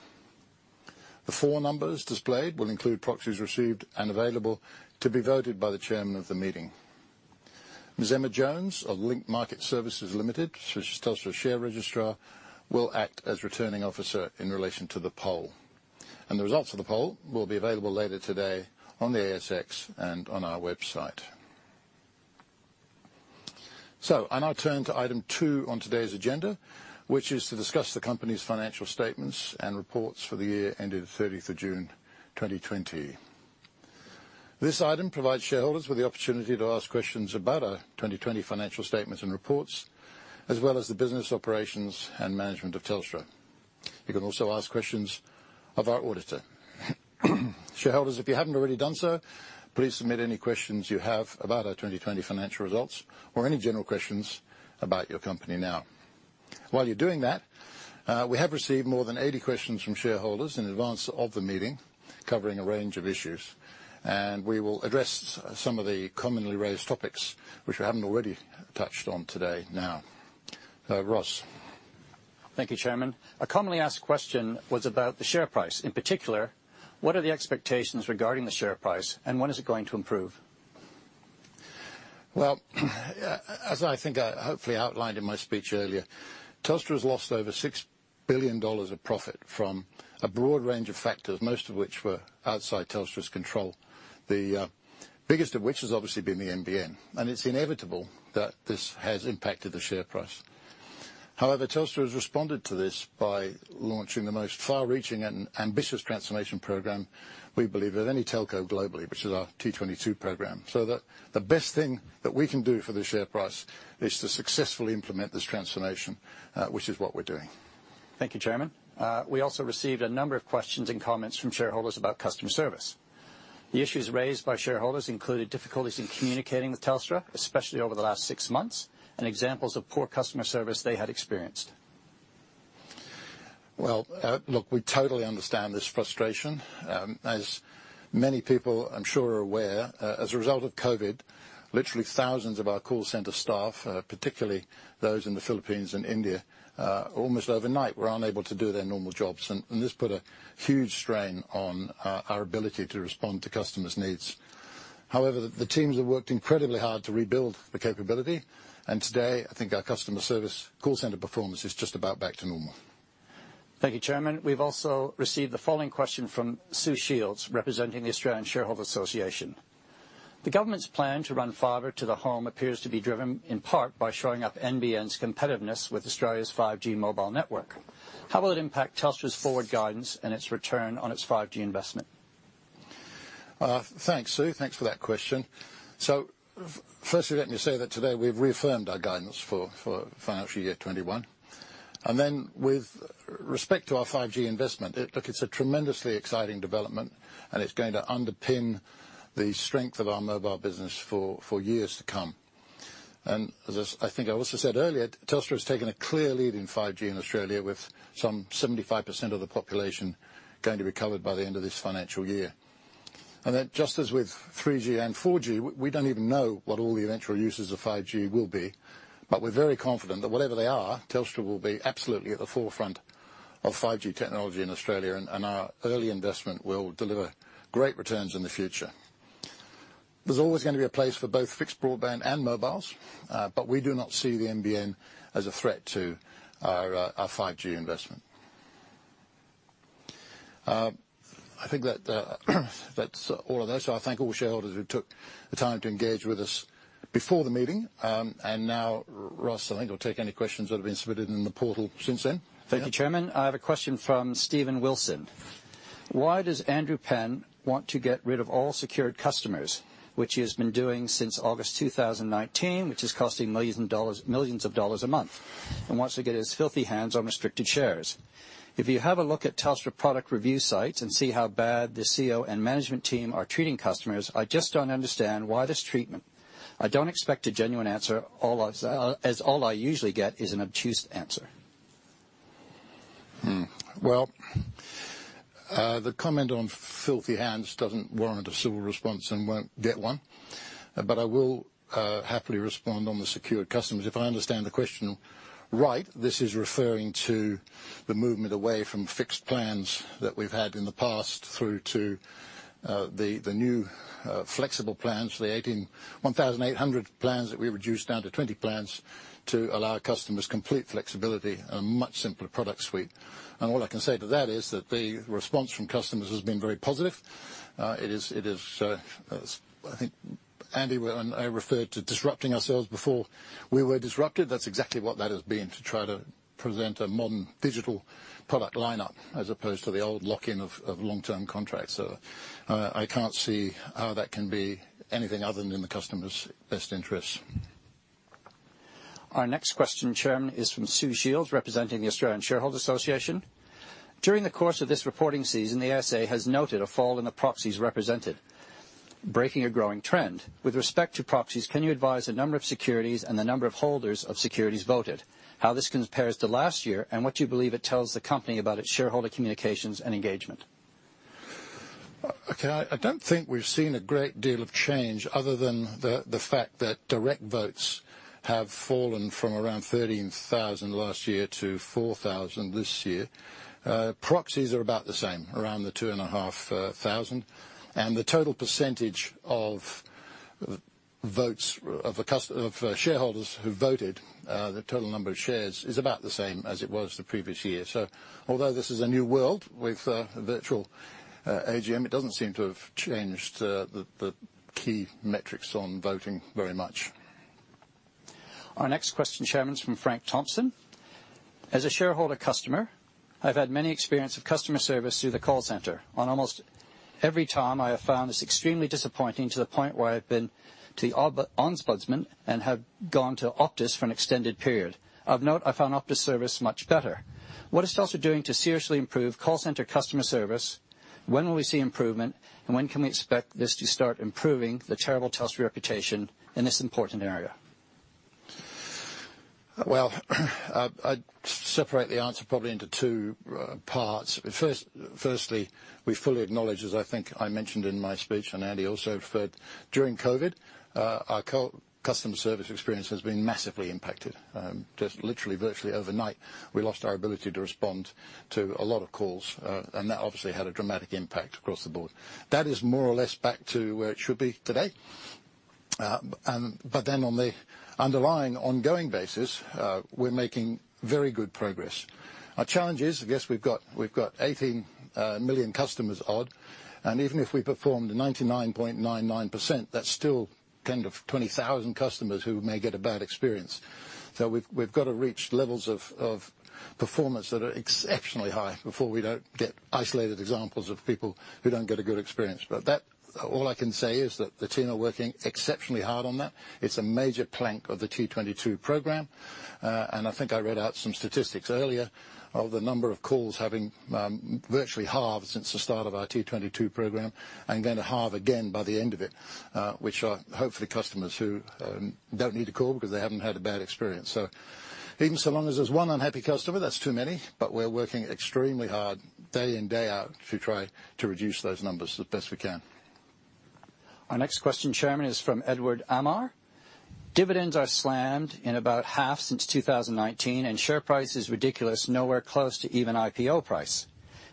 The four numbers displayed will include proxies received and available to be voted by the chairman of the meeting. Ms. Emma Jones of Link Market Services Limited, she's Telstra's share registrar, will act as returning officer in relation to the poll. The results of the poll will be available later today on the ASX and on our website. I now turn to item two on today's agenda, which is to discuss the company's financial statements and reports for the year ended 30 June 2020. This item provides shareholders with the opportunity to ask questions about our 2020 financial statements and reports, as well as the business operations and management of Telstra. You can also ask questions of our auditor. Shareholders, if you haven't already done so, please submit any questions you have about our 2020 financial results or any general questions about your company now. While you're doing that, we have received more than 80 questions from shareholders in advance of the meeting, covering a range of issues, and we will address some of the commonly raised topics, which we haven't already touched on today now. Ross. Thank you, Chairman. A commonly asked question was about the share price. In particular, what are the expectations regarding the share price, and when is it going to improve? Well, as I think I hopefully outlined in my speech earlier, Telstra has lost over 6 billion dollars of profit from a broad range of factors, most of which were outside Telstra's control. The biggest of which has obviously been the NBN, and it's inevitable that this has impacted the share price. However, Telstra has responded to this by launching the most far-reaching and ambitious transformation program we believe of any telco globally, which is our T22 program. So the best thing that we can do for the share price is to successfully implement this transformation, which is what we're doing. Thank you, Chairman. We also received a number of questions and comments from shareholders about customer service. The issues raised by shareholders included difficulties in communicating with Telstra, especially over the last six months, and examples of poor customer service they had experienced. Well, look, we totally understand this frustration. As many people I'm sure are aware, as a result of COVID, literally thousands of our call center staff, particularly those in the Philippines and India, almost overnight, were unable to do their normal jobs, and this put a huge strain on our ability to respond to customers' needs. However, the teams have worked incredibly hard to rebuild the capability, and today, I think our customer service call center performance is just about back to normal. Thank you, Chairman. We've also received the following question from Sue Shields, representing the Australian Shareholders Association. ...The government's plan to run fibre to the home appears to be driven, in part, by showing up NBN's competitiveness with Australia's 5G mobile network. How will it impact Telstra's forward guidance and its return on its 5G investment? Thanks, Sue. Thanks for that question. So firstly, let me say that today we've reaffirmed our guidance for financial year 2021. And then with respect to our 5G investment, look, it's a tremendously exciting development, and it's going to underpin the strength of our mobile business for years to come. And as I think I also said earlier, Telstra has taken a clear lead in 5G in Australia, with some 75% of the population going to be covered by the end of this financial year. And then, just as with 3G and 4G, we don't even know what all the eventual uses of 5G will be, but we're very confident that whatever they are, Telstra will be absolutely at the forefront of 5G technology in Australia, and our early investment will deliver great returns in the future. There's always gonna be a place for both fixed broadband and mobiles, but we do not see the NBN as a threat to our 5G investment. I think that's all on that, so I thank all shareholders who took the time to engage with us before the meeting. And now, Ross, I think we'll take any questions that have been submitted in the portal since then. Thank you, Chairman. I have a question from Steven Wilson: Why does Andrew Penn want to get rid of all secured customers, which he has been doing since August 2019, which is costing millions dollars, millions dollars a month, and wants to get his filthy hands on restricted shares? If you have a look at Telstra product review sites and see how bad the CEO and management team are treating customers, I just don't understand why this treatment. I don't expect a genuine answer, all else, as all I usually get is an obtuse answer. Well, the comment on filthy hands doesn't warrant a civil response and won't get one, but I will happily respond on the secured customers. If I understand the question right, this is referring to the movement away from fixed plans that we've had in the past, through to the new flexible plans, the 1800 plans that we reduced down to 20 plans to allow customers complete flexibility and a much simpler product suite. And all I can say to that is that the response from customers has been very positive. It is, it is... I think Andy and I referred to disrupting ourselves before we were disrupted. That's exactly what that has been, to try to present a modern digital product lineup, as opposed to the old lock-in of long-term contracts. I can't see how that can be anything other than in the customer's best interests. Our next question, Chairman, is from Sue Shields, representing the Australian Shareholders Association. During the course of this reporting season, the ASA has noted a fall in the proxies represented, breaking a growing trend. With respect to proxies, can you advise the number of securities and the number of holders of securities voted, how this compares to last year, and what you believe it tells the company about its shareholder communications and engagement? Okay, I don't think we've seen a great deal of change other than the fact that direct votes have fallen from around 13,000 last year to 4,000 this year. Proxies are about the same, around the 2.5 thousand. And the total percentage of votes of shareholders who voted, the total number of shares, is about the same as it was the previous year. So although this is a new world with a virtual AGM, it doesn't seem to have changed the key metrics on voting very much. Our next question, Chairman, is from Frank Thompson: As a shareholder customer, I've had many experience of customer service through the call center. On almost every time, I have found this extremely disappointing, to the point where I've been to the Ombudsman and have gone to Optus for an extended period. Of note, I found Optus service much better. What is Telstra doing to seriously improve call center customer service? When will we see improvement, and when can we expect this to start improving the terrible Telstra reputation in this important area? Well, I'd separate the answer probably into two parts. First, firstly, we fully acknowledge, as I think I mentioned in my speech, and Andy also referred, during COVID, our customer service experience has been massively impacted. Just literally, virtually overnight, we lost our ability to respond to a lot of calls, and that obviously had a dramatic impact across the board. That is more or less back to where it should be today. And, but then on the underlying, ongoing basis, we're making very good progress. Our challenge is, I guess we've got, we've got 18 million customers odd, and even if we performed 99.99%, that's still 10,000-20,000 customers who may get a bad experience. So we've got to reach levels of performance that are exceptionally high before we don't get isolated examples of people who don't get a good experience. But that. All I can say is that the team are working exceptionally hard on that. It's a major plank of the T22 program, and I think I read out some statistics earlier of the number of calls having virtually halved since the start of our T22 program, and going to halve again by the end of it, which are hopefully customers who don't need to call because they haven't had a bad experience. So even so long as there's one unhappy customer, that's too many, but we're working extremely hard, day in, day out, to try to reduce those numbers as best we can. Our next question, Chairman, is from Edward Amar: Dividends are slammed in about half since 2019, and share price is ridiculous, nowhere close to even IPO price.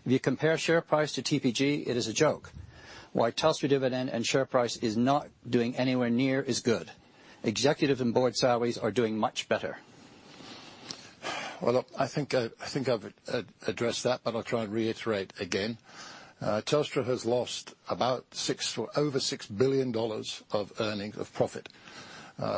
If you compare share price to TPG, it is a joke. Why Telstra dividend and share price is not doing anywhere near as good? Executive and board salaries are doing much better.... Well, look, I think I've addressed that, but I'll try and reiterate again. Telstra has lost about six, or over 6 billion dollars of earnings, of profit,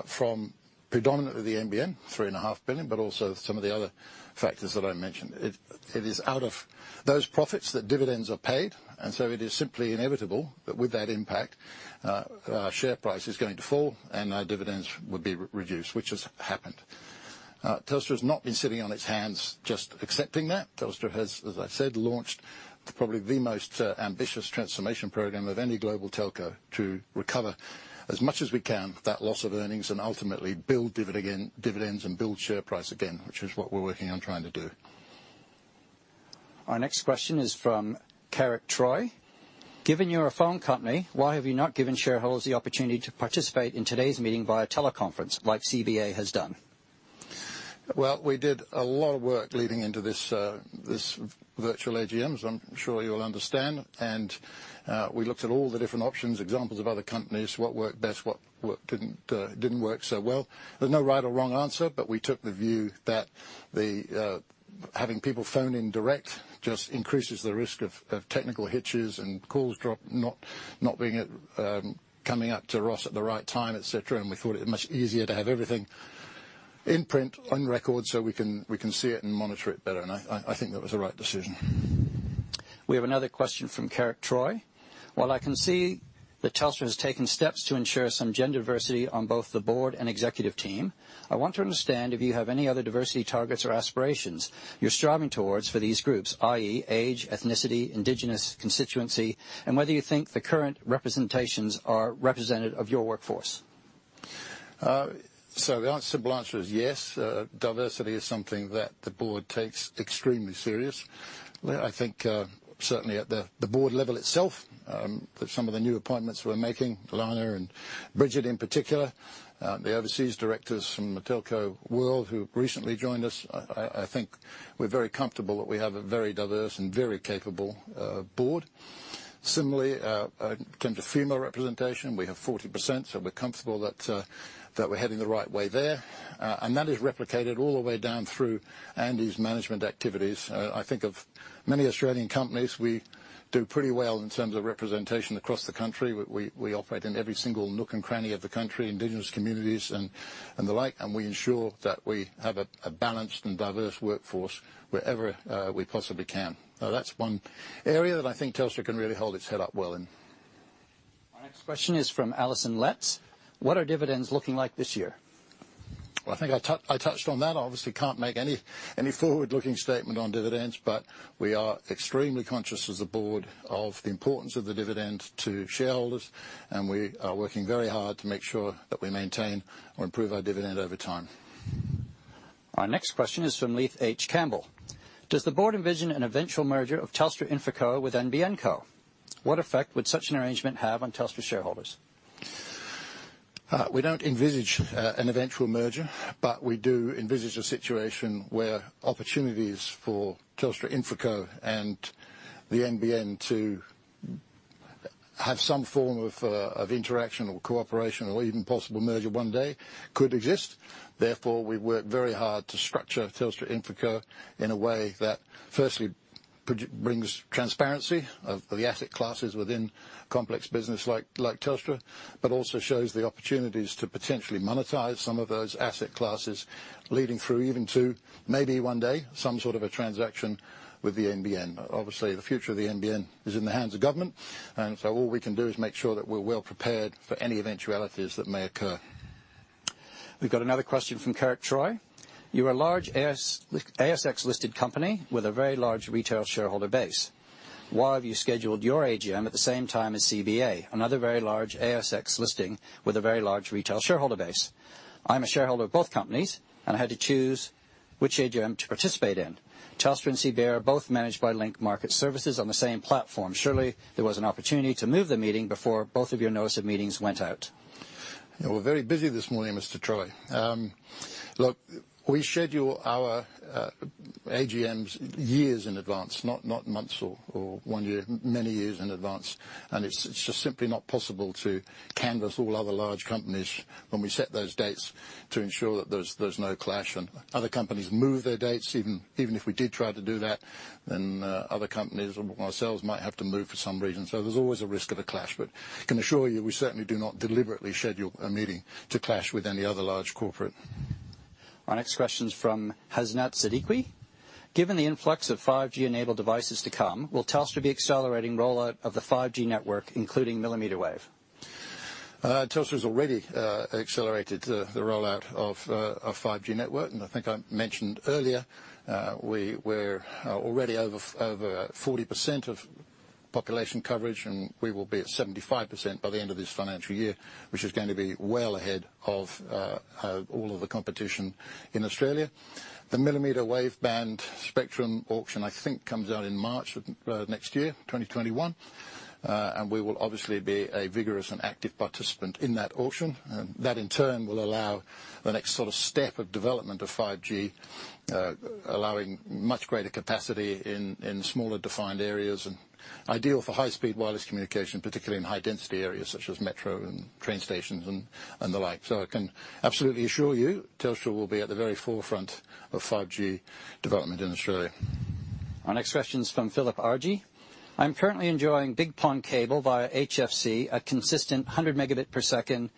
from predominantly the NBN, 3.5 billion, but also some of the other factors that I mentioned. It is out of those profits that dividends are paid, and so it is simply inevitable that with that impact, our share price is going to fall, and our dividends will be reduced, which has happened. Telstra's not been sitting on its hands just accepting that. Telstra has, as I said, launched probably the most ambitious transformation program of any global telco to recover as much as we can that loss of earnings and ultimately build dividends again and build share price again, which is what we're working on trying to do. Our next question is from Carrick Troy: Given you're a phone company, why have you not given shareholders the opportunity to participate in today's meeting via teleconference, like CBA has done? Well, we did a lot of work leading into this, this virtual AGM, as I'm sure you'll understand, and, we looked at all the different options, examples of other companies, what worked best, what didn't, didn't work so well. There's no right or wrong answer, but we took the view that having people phone in direct just increases the risk of technical hitches and calls drop, not being coming up to Ross at the right time, et cetera, and we thought it much easier to have everything in print, on record, so we can see it and monitor it better, and I think that was the right decision. We have another question from Carrick Troy: While I can see that Telstra has taken steps to ensure some gender diversity on both the board and executive team, I want to understand if you have any other diversity targets or aspirations you're striving towards for these groups, i.e., age, ethnicity, indigenous constituency, and whether you think the current representations are representative of your workforce? So the answer, simple answer is yes. Diversity is something that the board takes extremely serious. I think, certainly at the board level itself, that some of the new appointments we're making, Elana and Bridget in particular, the overseas directors from the telco world who recently joined us, I think we're very comfortable that we have a very diverse and very capable board. Similarly, in terms of female representation, we have 40%, so we're comfortable that we're heading the right way there. And that is replicated all the way down through Andy's management activities. I think of many Australian companies, we do pretty well in terms of representation across the country. We operate in every single nook and cranny of the country, indigenous communities, and the like, and we ensure that we have a balanced and diverse workforce wherever we possibly can. So that's one area that I think Telstra can really hold its head up well in. Our next question is from Allison Letts: What are dividends looking like this year? Well, I think I touched on that. Obviously can't make any forward-looking statement on dividends, but we are extremely conscious as a board of the importance of the dividend to shareholders, and we are working very hard to make sure that we maintain or improve our dividend over time. Our next question is from Leith H. Campbell: Does the board envision an eventual merger of Telstra InfraCo with NBN Co? What effect would such an arrangement have on Telstra shareholders? We don't envisage an eventual merger, but we do envisage a situation where opportunities for Telstra InfraCo and the NBN to have some form of interaction or cooperation or even possible merger one day could exist. Therefore, we've worked very hard to structure Telstra InfraCo in a way that firstly brings transparency of the asset classes within complex business like Telstra, but also shows the opportunities to potentially monetize some of those asset classes, leading through even to maybe one day some sort of a transaction with the NBN. Obviously, the future of the NBN is in the hands of government, and so all we can do is make sure that we're well prepared for any eventualities that may occur. We've got another question from Carrick Troy: You're a large ASX-listed company with a very large retail shareholder base. Why have you scheduled your AGM at the same time as CBA, another very large ASX listing with a very large retail shareholder base? I'm a shareholder of both companies, and I had to choose which AGM to participate in. Telstra and CBA are both managed by Link Market Services on the same platform. Surely there was an opportunity to move the meeting before both of your notice of meetings went out. We're very busy this morning, Mr. Troy. Look, we schedule our AGMs years in advance, not months or one year, many years in advance, and it's just simply not possible to canvass all other large companies when we set those dates to ensure that there's no clash. Other companies move their dates. Even if we did try to do that, then other companies or ourselves might have to move for some reason. There's always a risk of a clash, but I can assure you, we certainly do not deliberately schedule a meeting to clash with any other large corporate. Our next question is from Hasnat Siddiqui: Given the influx of 5G-enabled devices to come, will Telstra be accelerating rollout of the 5G network, including millimetre wave? Telstra's already accelerated the rollout of 5G network, and I think I mentioned earlier, we're already over 40% of population coverage, and we will be at 75% by the end of this financial year, which is going to be well ahead of all of the competition in Australia. The millimetre wave band spectrum auction, I think, comes out in March of next year, 2021, and we will obviously be a vigorous and active participant in that auction. And that, in turn, will allow the next sort of step of development of 5G, allowing much greater capacity in smaller defined areas and ideal for high-speed wireless communication, particularly in high-density areas such as metro and train stations and the like. I can absolutely assure you, Telstra will be at the very forefront of 5G development in Australia.... Our next question is from Philip Argy. "I'm currently enjoying BigPond Cable via HFC, a consistent 100 Mbps,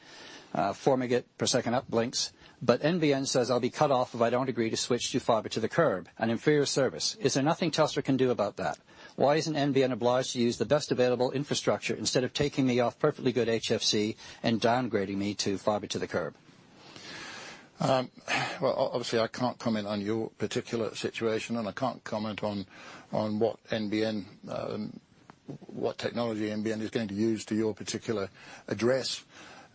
4 Mbps uplinks. But NBN says I'll be cut off if I don't agree to switch to fibre to the curb, an inferior service. Is there nothing Telstra can do about that? Why isn't NBN obliged to use the best available infrastructure instead of taking me off perfectly good HFC and downgrading me to fibre to the curb? Well, obviously, I can't comment on your particular situation, and I can't comment on what NBN technology is going to use to your particular address.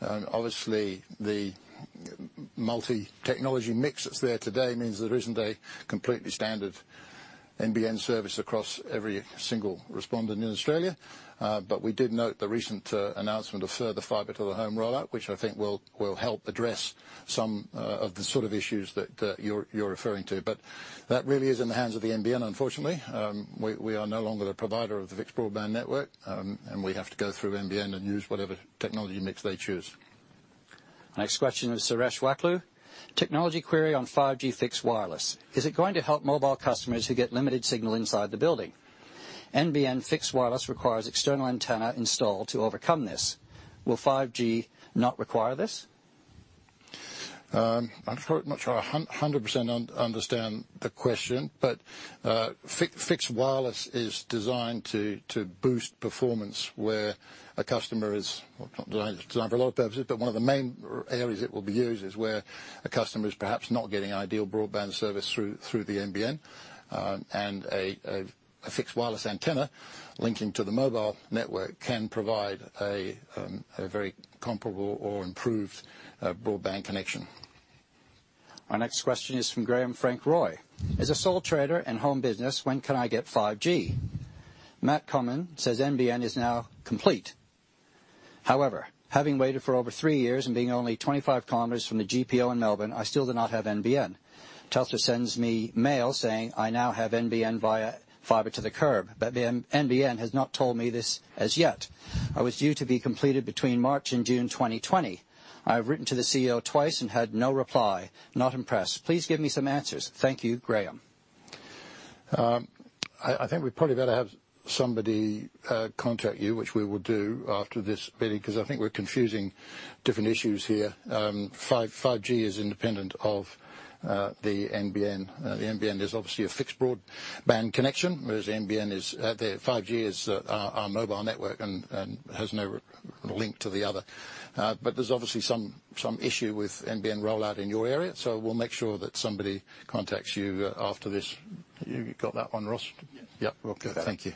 Obviously, the multi-technology mix that's there today means there isn't a completely standard NBN service across every single respondent in Australia. But we did note the recent announcement of further fiber to the home rollout, which I think will help address some of the sort of issues that you're referring to. But that really is in the hands of the NBN, unfortunately. We are no longer the provider of the fixed broadband network. And we have to go through NBN and use whatever technology mix they choose. Next question is Suresh Waklu: "Technology query on 5G fixed wireless. Is it going to help mobile customers who get limited signal inside the building? NBN fixed wireless requires external antenna installed to overcome this. Will 5G not require this? I'm not sure I hundred percent understand the question, but fixed wireless is designed to boost performance where a customer is... Well, it's designed for a lot of purposes, but one of the main areas it will be used is where a customer is perhaps not getting ideal broadband service through the NBN. And a fixed wireless antenna linking to the mobile network can provide a very comparable or improved broadband connection. Our next question is from Graham Frank Roy: "As a sole trader in home business, when can I get 5G? Mathias Cormann says NBN is now complete. However, having waited for over three years and being only 25 kilometers from the GPO in Melbourne, I still do not have NBN. Telstra sends me mail saying I now have NBN via fiber to the curb, but the NBN has not told me this as yet. I was due to be completed between March and June 2020. I have written to the CEO twice and had no reply. Not impressed. Please give me some answers. Thank you, Graham. I think we'd probably better have somebody contact you, which we will do after this meeting, 'cause I think we're confusing different issues here. 5G is independent of the NBN. The NBN is obviously a fixed broadband connection, whereas NBN is... The 5G is our mobile network and has no link to the other. But there's obviously some issue with NBN rollout in your area, so we'll make sure that somebody contacts you after this. You got that one, Ross? Yes. Yep, okay. Thank you.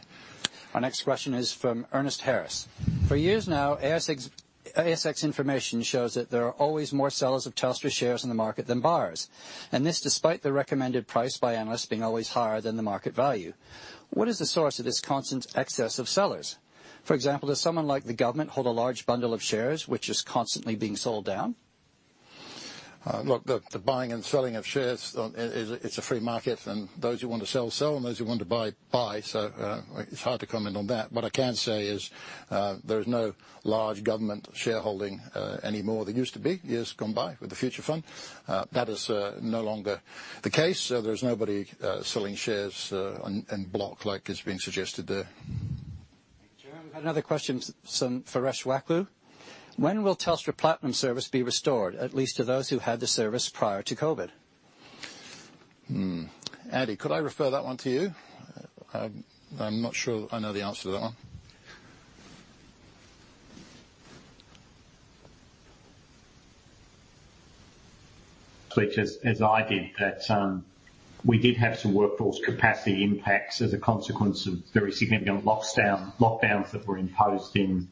Our next question is from Ernest Harris: "For years now, ASX, ASX information shows that there are always more sellers of Telstra shares in the market than buyers, and this despite the recommended price by analysts being always higher than the market value. What is the source of this constant excess of sellers? For example, does someone like the government hold a large bundle of shares, which is constantly being sold down? Look, the buying and selling of shares is, it's a free market, and those who want to sell, sell, and those who want to buy, buy, so it's hard to comment on that. What I can say is, there is no large government shareholding anymore. There used to be, years gone by, with the Future Fund. That is no longer the case, so there's nobody selling shares en bloc, like it's been suggested there. Chairman, another question from Suresh Waklu: "When will Telstra Platinum service be restored, at least to those who had the service prior to COVID? Hmm. Andy, could I refer that one to you? I'm not sure I know the answer to that one. Which, as I did, we did have some workforce capacity impacts as a consequence of very significant lockdowns that were imposed in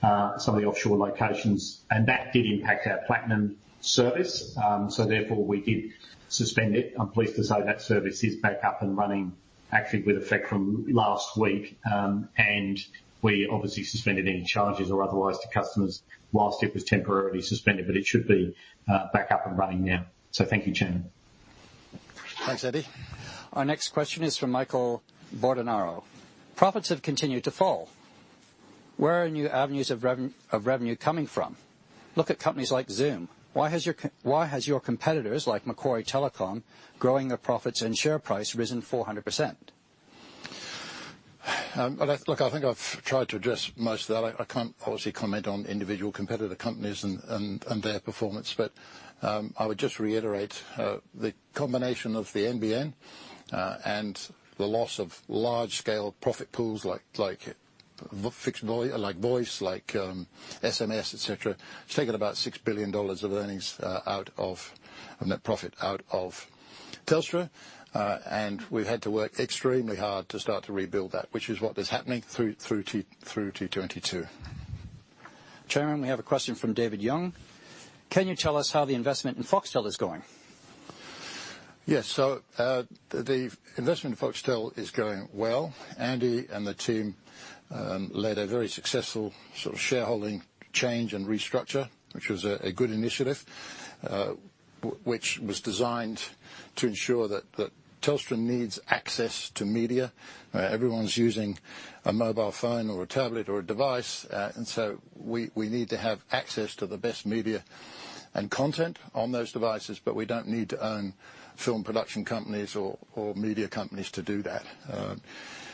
some of the offshore locations, and that did impact our Platinum service. So therefore, we did suspend it. I'm pleased to say that service is back up and running, actually with effect from last week. And we obviously suspended any charges or otherwise to customers whilst it was temporarily suspended, but it should be back up and running now. So thank you, Chairman. Thanks, Andy. Our next question is from Michael Bordenaro: "Profits have continued to fall. Where are new avenues of revenue coming from? Look at companies like Zoom. Why has your competitors, like Macquarie Telecom, growing their profits and share price, risen 400%? Well, look, I think I've tried to address most of that. I can't obviously comment on individual competitor companies and their performance, but I would just reiterate the combination of the NBN and the loss of large-scale profit pools, like fixed voice, like SMS, et cetera. It's taken about 6 billion dollars of earnings out of net profit out of Telstra. And we've had to work extremely hard to start to rebuild that, which is what is happening through T22. Chairman, we have a question from David Young: "Can you tell us how the investment in Foxtel is going? Yes, so, the investment in Foxtel is going well. Andy and the team led a very successful sort of shareholding change and restructure, which was a good initiative, which was designed to ensure that Telstra needs access to media... Everyone's using a mobile phone or a tablet or a device, and so we need to have access to the best media and content on those devices, but we don't need to own film production companies or media companies to do that.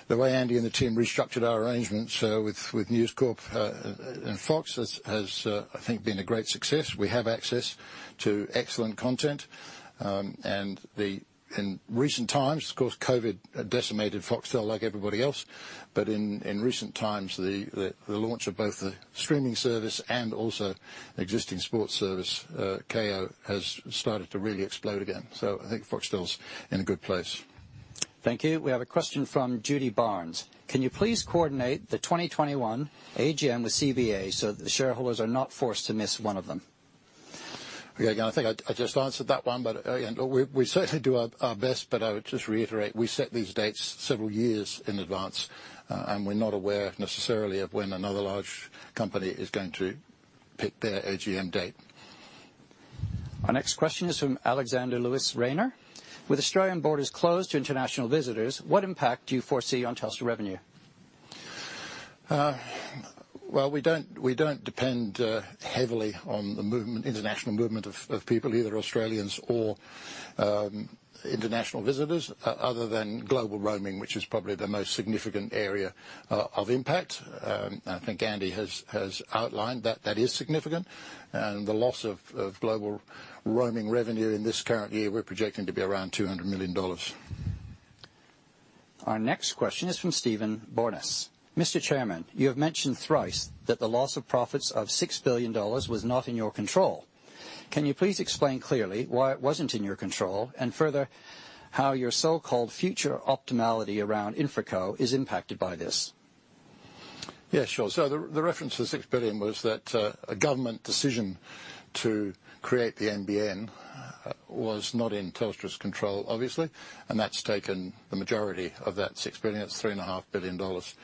The way Andy and the team restructured our arrangements with News Corp and Fox has, I think, been a great success. We have access to excellent content, and in recent times, of course, COVID decimated Foxtel like everybody else, but in recent times, the launch of both the streaming service and also existing sports service, Kayo, has started to really explode again. So I think Foxtel's in a good place. Thank you. We have a question from Judy Barnes: Can you please coordinate the 2021 AGM with CBA so that the shareholders are not forced to miss one of them? Yeah, again, I think I just answered that one, but, again, we certainly do our best, but I would just reiterate, we set these dates several years in advance, and we're not aware necessarily of when another large company is going to pick their AGM date. Our next question is from Alexander Lewis Rayner: With Australian borders closed to international visitors, what impact do you foresee on Telstra revenue? Well, we don't depend heavily on the international movement of people, either Australians or international visitors, other than global roaming, which is probably the most significant area of impact. And I think Andy has outlined that that is significant, and the loss of global roaming revenue in this current year, we're projecting to be around AUD 200 million. Our next question is from Steven Borness: Mr. Chairman, you have mentioned thrice that the loss of profits of AUD 6 billion was not in your control. Can you please explain clearly why it wasn't in your control, and further, how your so-called future optimality around InfraCo is impacted by this? Yeah, sure. So the reference to the 6 billion was that a government decision to create the NBN was not in Telstra's control, obviously, and that's taken the majority of that 6 billion. That's 3.5 billion dollars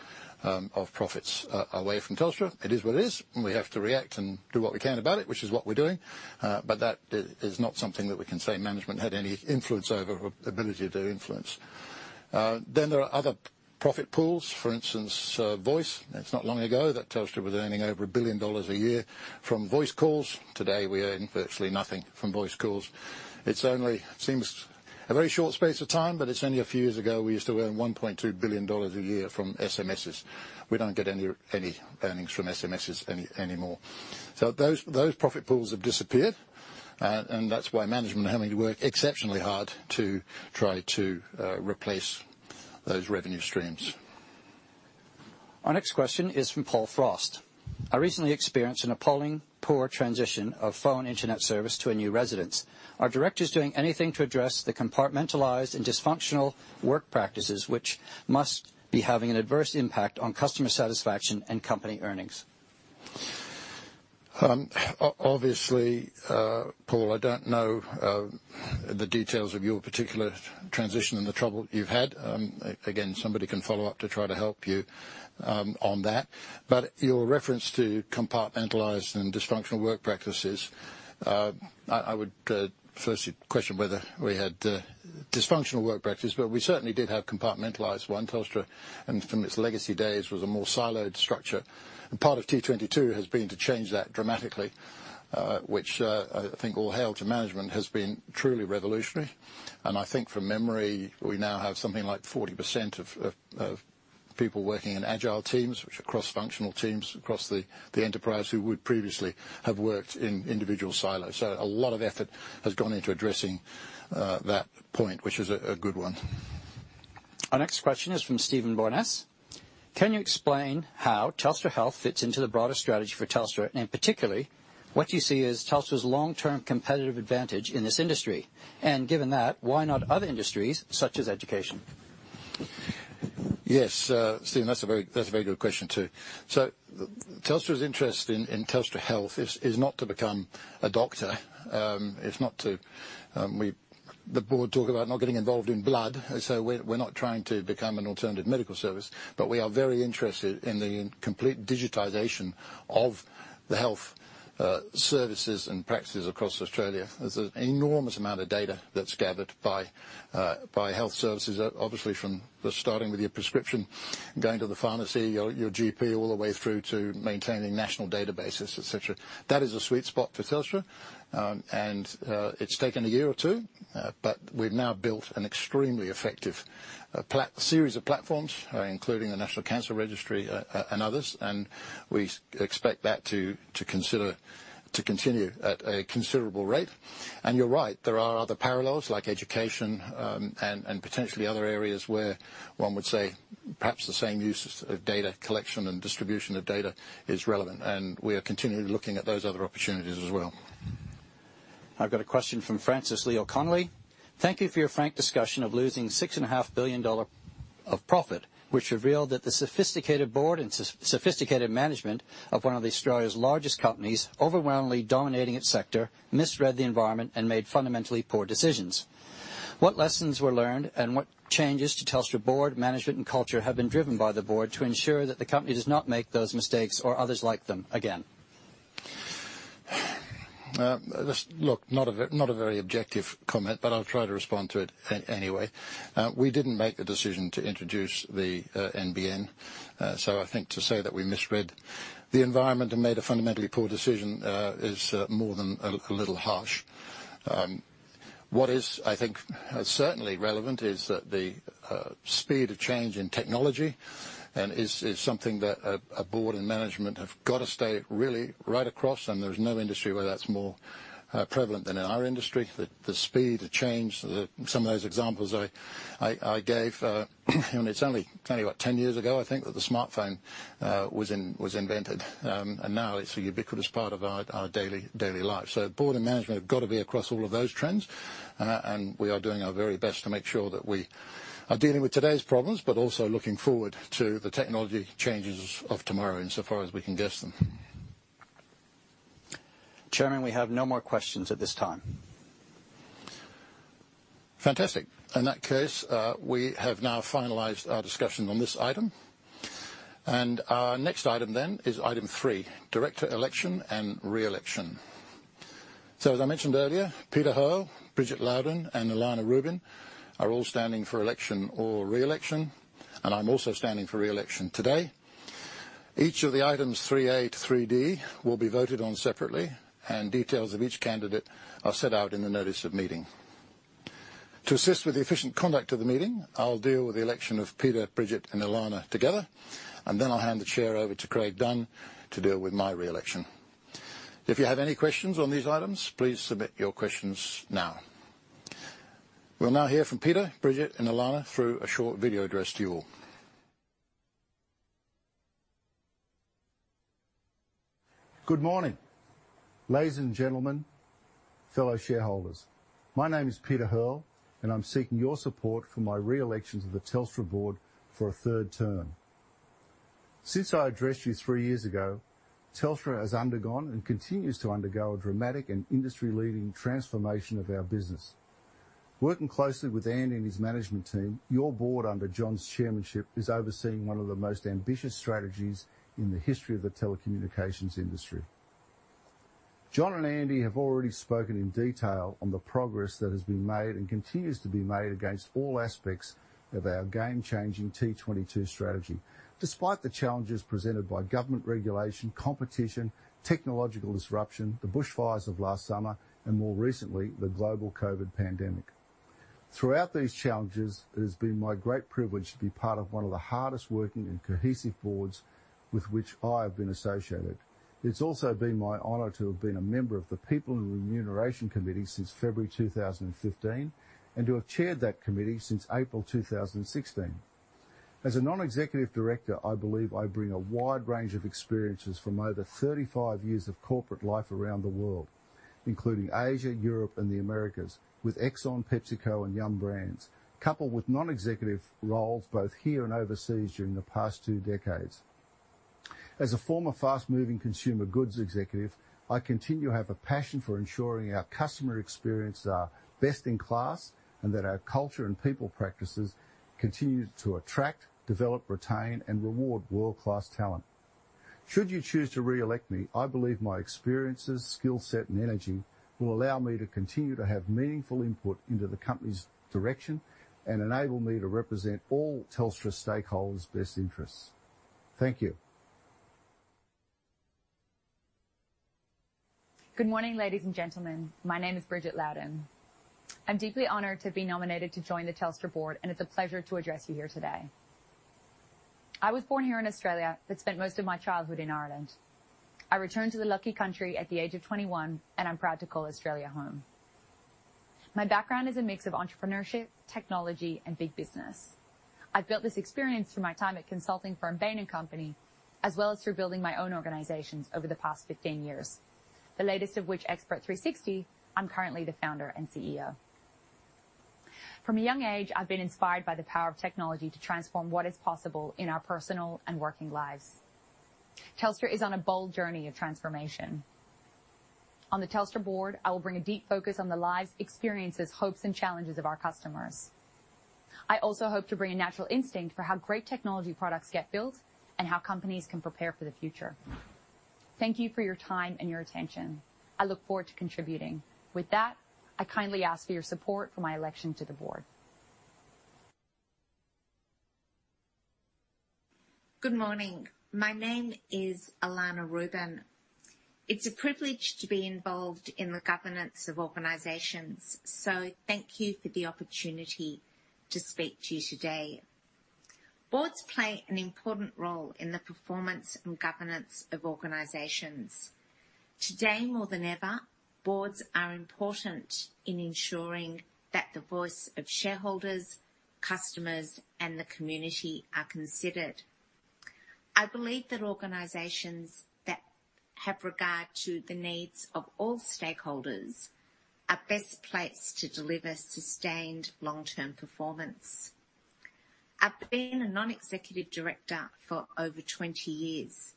of profits away from Telstra. It is what it is, and we have to react and do what we can about it, which is what we're doing. But that is not something that we can say management had any influence over or ability to influence. Then there are other profit pools, for instance, voice. It's not long ago that Telstra was earning over 1 billion dollars a year from voice calls. Today, we earn virtually nothing from voice calls. It only seems a very short space of time, but it's only a few years ago, we used to earn 1.2 billion dollars a year from SMSs. We don't get any earnings from SMSs anymore. So those profit pools have disappeared, and that's why management are having to work exceptionally hard to try to replace those revenue streams. Our next question is from Paul Frost: I recently experienced an appalling, poor transition of phone internet service to a new residence. Are directors doing anything to address the compartmentalized and dysfunctional work practices, which must be having an adverse impact on customer satisfaction and company earnings? Obviously, Paul, I don't know the details of your particular transition and the trouble you've had. Again, somebody can follow up to try to help you on that. But your reference to compartmentalized and dysfunctional work practices, I would firstly question whether we had dysfunctional work practices, but we certainly did have compartmentalized ones. Telstra, and from its legacy days, was a more siloed structure. And part of T22 has been to change that dramatically, which I think all hail to management has been truly revolutionary. And I think from memory, we now have something like 40% of people working in agile teams, which are cross-functional teams across the enterprise, who would previously have worked in individual silos. So a lot of effort has gone into addressing that point, which is a good one. Our next question is from Steven Borness: Can you explain how Telstra Health fits into the broader strategy for Telstra, and particularly, what you see as Telstra's long-term competitive advantage in this industry? And given that, why not other industries, such as education? Yes, Steven, that's a very, that's a very good question, too. So Telstra's interest in Telstra Health is not to become a doctor. It's not to. The board talk about not getting involved in blood, and so we're not trying to become an alternative medical service, but we are very interested in the complete digitization of the health services and practices across Australia. There's an enormous amount of data that's gathered by health services, obviously, from the starting with your prescription, going to the pharmacy, your GP, all the way through to maintaining national databases, et cetera. That is a sweet spot for Telstra, and it's taken a year or two, but we've now built an extremely effective series of platforms, including the National Cancer Registry, and others, and we expect that to continue at a considerable rate. And you're right, there are other parallels, like education, and potentially other areas where one would say perhaps the same use of data collection and distribution of data is relevant, and we are continually looking at those other opportunities as well. I've got a question from Francis Leo Connolly: Thank you for your frank discussion of losing 6.5 billion dollar of profit, which revealed that the sophisticated board and sophisticated management of one of Australia's largest companies, overwhelmingly dominating its sector, misread the environment and made fundamentally poor decisions. What lessons were learned, and what changes to Telstra board, management, and culture have been driven by the board to ensure that the company does not make those mistakes or others like them again? ... This, look, not a very objective comment, but I'll try to respond to it anyway. We didn't make the decision to introduce the NBN. So I think to say that we misread the environment and made a fundamentally poor decision is more than a little harsh. What is, I think, certainly relevant is that the speed of change in technology and is something that a board and management have got to stay really right across, and there's no industry where that's more prevalent than in our industry. The speed, the change, some of those examples I gave, and it's only what, 10 years ago, I think, that the smartphone was invented. And now it's a ubiquitous part of our daily life. So board and management have got to be across all of those trends, and we are doing our very best to make sure that we are dealing with today's problems, but also looking forward to the technology changes of tomorrow in so far as we can guess them. Chairman, we have no more questions at this time. Fantastic. In that case, we have now finalized our discussion on this item. Our next item then is item three, director election and re-election. As I mentioned earlier, Peter Hearl, Bridget Loudon, and Elana Rubin are all standing for election or re-election, and I'm also standing for re-election today. Each of the items three A to three D will be voted on separately, and details of each candidate are set out in the notice of meeting. To assist with the efficient conduct of the meeting, I'll deal with the election of Peter, Bridget, and Elana together, and then I'll hand the chair over to Craig Dunn to deal with my re-election. If you have any questions on these items, please submit your questions now. We'll now hear from Peter, Bridget, and Elana through a short video addressed to you all. Good morning, ladies and gentlemen, fellow shareholders. My name is Peter Hearl, and I'm seeking your support for my re-election to the Telstra board for a third term. Since I addressed you three years ago, Telstra has undergone and continues to undergo a dramatic and industry-leading transformation of our business. Working closely with Andy and his management team, your board, under John's chairmanship, is overseeing one of the most ambitious strategies in the history of the telecommunications industry. John and Andy have already spoken in detail on the progress that has been made and continues to be made against all aspects of our game-changing T-22 strategy. Despite the challenges presented by government regulation, competition, technological disruption, the bushfires of last summer, and more recently, the global COVID pandemic. Throughout these challenges, it has been my great privilege to be part of one of the hardest working and cohesive boards with which I have been associated. It's also been my honor to have been a member of the People and Remuneration Committee since February 2015, and to have chaired that committee since April 2016. As a non-executive director, I believe I bring a wide range of experiences from over 35 years of corporate life around the world, including Asia, Europe, and the Americas, with Exxon, PepsiCo, and Yum Brands. Coupled with non-executive roles both here and overseas during the past two decades. As a former fast-moving consumer goods executive, I continue to have a passion for ensuring our customer experiences are best in class and that our culture and people practices continue to attract, develop, retain, and reward world-class talent. Should you choose to re-elect me, I believe my experiences, skill set, and energy will allow me to continue to have meaningful input into the company's direction and enable me to represent all Telstra stakeholders' best interests. Thank you. Good morning, ladies and gentlemen. My name is Bridget Loudon. I'm deeply honored to be nominated to join the Telstra board, and it's a pleasure to address you here today. I was born here in Australia, but spent most of my childhood in Ireland. I returned to the lucky country at the age of 21, and I'm proud to call Australia home. My background is a mix of entrepreneurship, technology, and big business. I've built this experience through my time at consulting firm, Bain & Company, as well as through building my own organizations over the past 15 years. The latest of which, Expert360, I'm currently the founder and CEO. From a young age, I've been inspired by the power of technology to transform what is possible in our personal and working lives. Telstra is on a bold journey of transformation. On the Telstra board, I will bring a deep focus on the lives, experiences, hopes, and challenges of our customers. I also hope to bring a natural instinct for how great technology products get built and how companies can prepare for the future. Thank you for your time and your attention. I look forward to contributing. With that, I kindly ask for your support for my election to the board. Good morning. My name is Elana Rubin. It's a privilege to be involved in the governance of organizations, so thank you for the opportunity to speak to you today. Boards play an important role in the performance and governance of organizations. Today, more than ever, boards are important in ensuring that the voice of shareholders, customers, and the community are considered. I believe that organizations that have regard to the needs of all stakeholders are best placed to deliver sustained long-term performance. I've been a non-executive director for over 20 years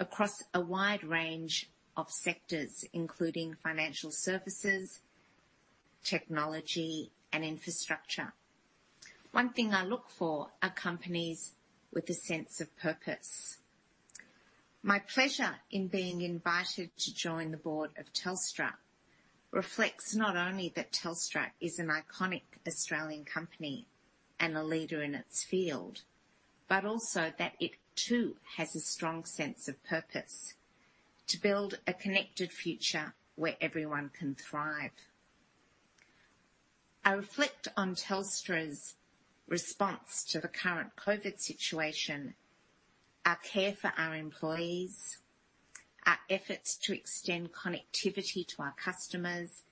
across a wide range of sectors, including financial services, technology, and infrastructure. One thing I look for are companies with a sense of purpose. My pleasure in being invited to join the board of Telstra reflects not only that Telstra is an iconic Australian company and a leader in its field, but also that it, too, has a strong sense of purpose: to build a connected future where everyone can thrive. I reflect on Telstra's response to the current COVID situation, our care for our employees, our efforts to extend connectivity to our customers,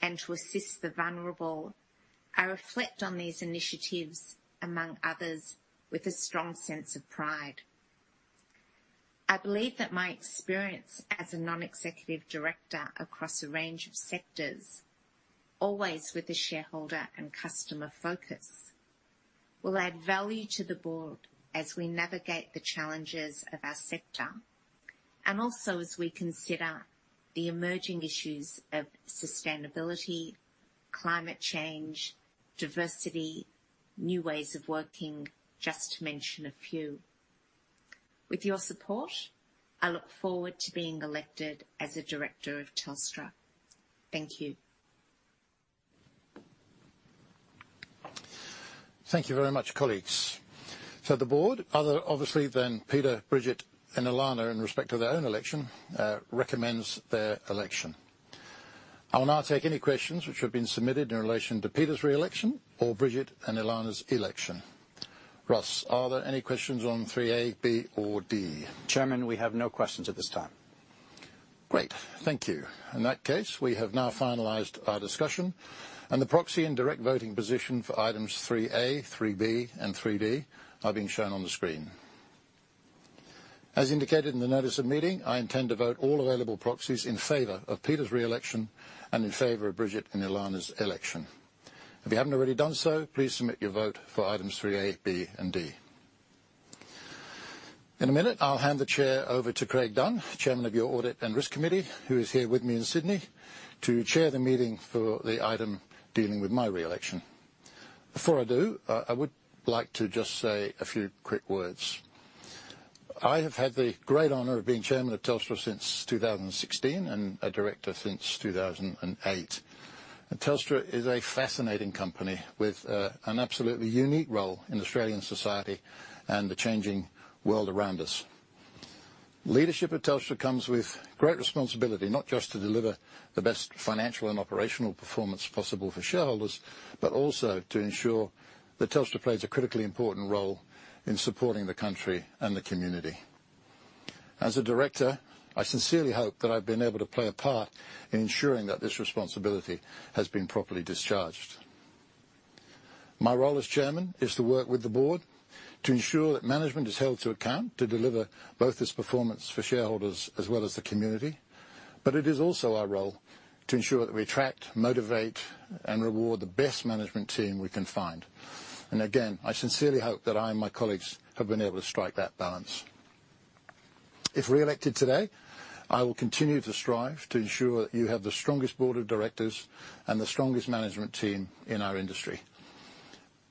and to assist the vulnerable. I reflect on these initiatives, among others, with a strong sense of pride. I believe that my experience as a non-executive director across a range of sectors, always with a shareholder and customer focus, will add value to the board as we navigate the challenges of our sector, and also as we consider the emerging issues of sustainability, climate change, diversity, new ways of working, just to mention a few. With your support, I look forward to being elected as a director of Telstra. Thank you. Thank you very much, colleagues. So the board, other than Peter, Bridget, and Elana, in respect to their own election, recommends their election. I will now take any questions which have been submitted in relation to Peter's re-election or Bridget and Elana's election. Ross, are there any questions on three A, B, or D? Chairman, we have no questions at this time. Great, thank you. In that case, we have now finalized our discussion, and the proxy and direct voting position for items 3A, 3B, and 3D are being shown on the screen. As indicated in the notice of meeting, I intend to vote all available proxies in favor of Peter's re-election and in favor of Bridget and Elana's election. If you haven't already done so, please submit your vote for items 3A, B, and D. In a minute, I'll hand the chair over to Craig Dunn, Chairman of your Audit and Risk Committee, who is here with me in Sydney, to chair the meeting for the item dealing with my re-election. Before I do, I would like to just say a few quick words. I have had the great honor of being chairman of Telstra since 2016, and a director since 2008. Telstra is a fascinating company with an absolutely unique role in Australian society and the changing world around us. Leadership at Telstra comes with great responsibility, not just to deliver the best financial and operational performance possible for shareholders, but also to ensure that Telstra plays a critically important role in supporting the country and the community. As a director, I sincerely hope that I've been able to play a part in ensuring that this responsibility has been properly discharged. My role as Chairman is to work with the board to ensure that management is held to account, to deliver both this performance for shareholders as well as the community, but it is also our role to ensure that we attract, motivate, and reward the best management team we can find. And again, I sincerely hope that I and my colleagues have been able to strike that balance. If re-elected today, I will continue to strive to ensure that you have the strongest board of directors and the strongest management team in our industry,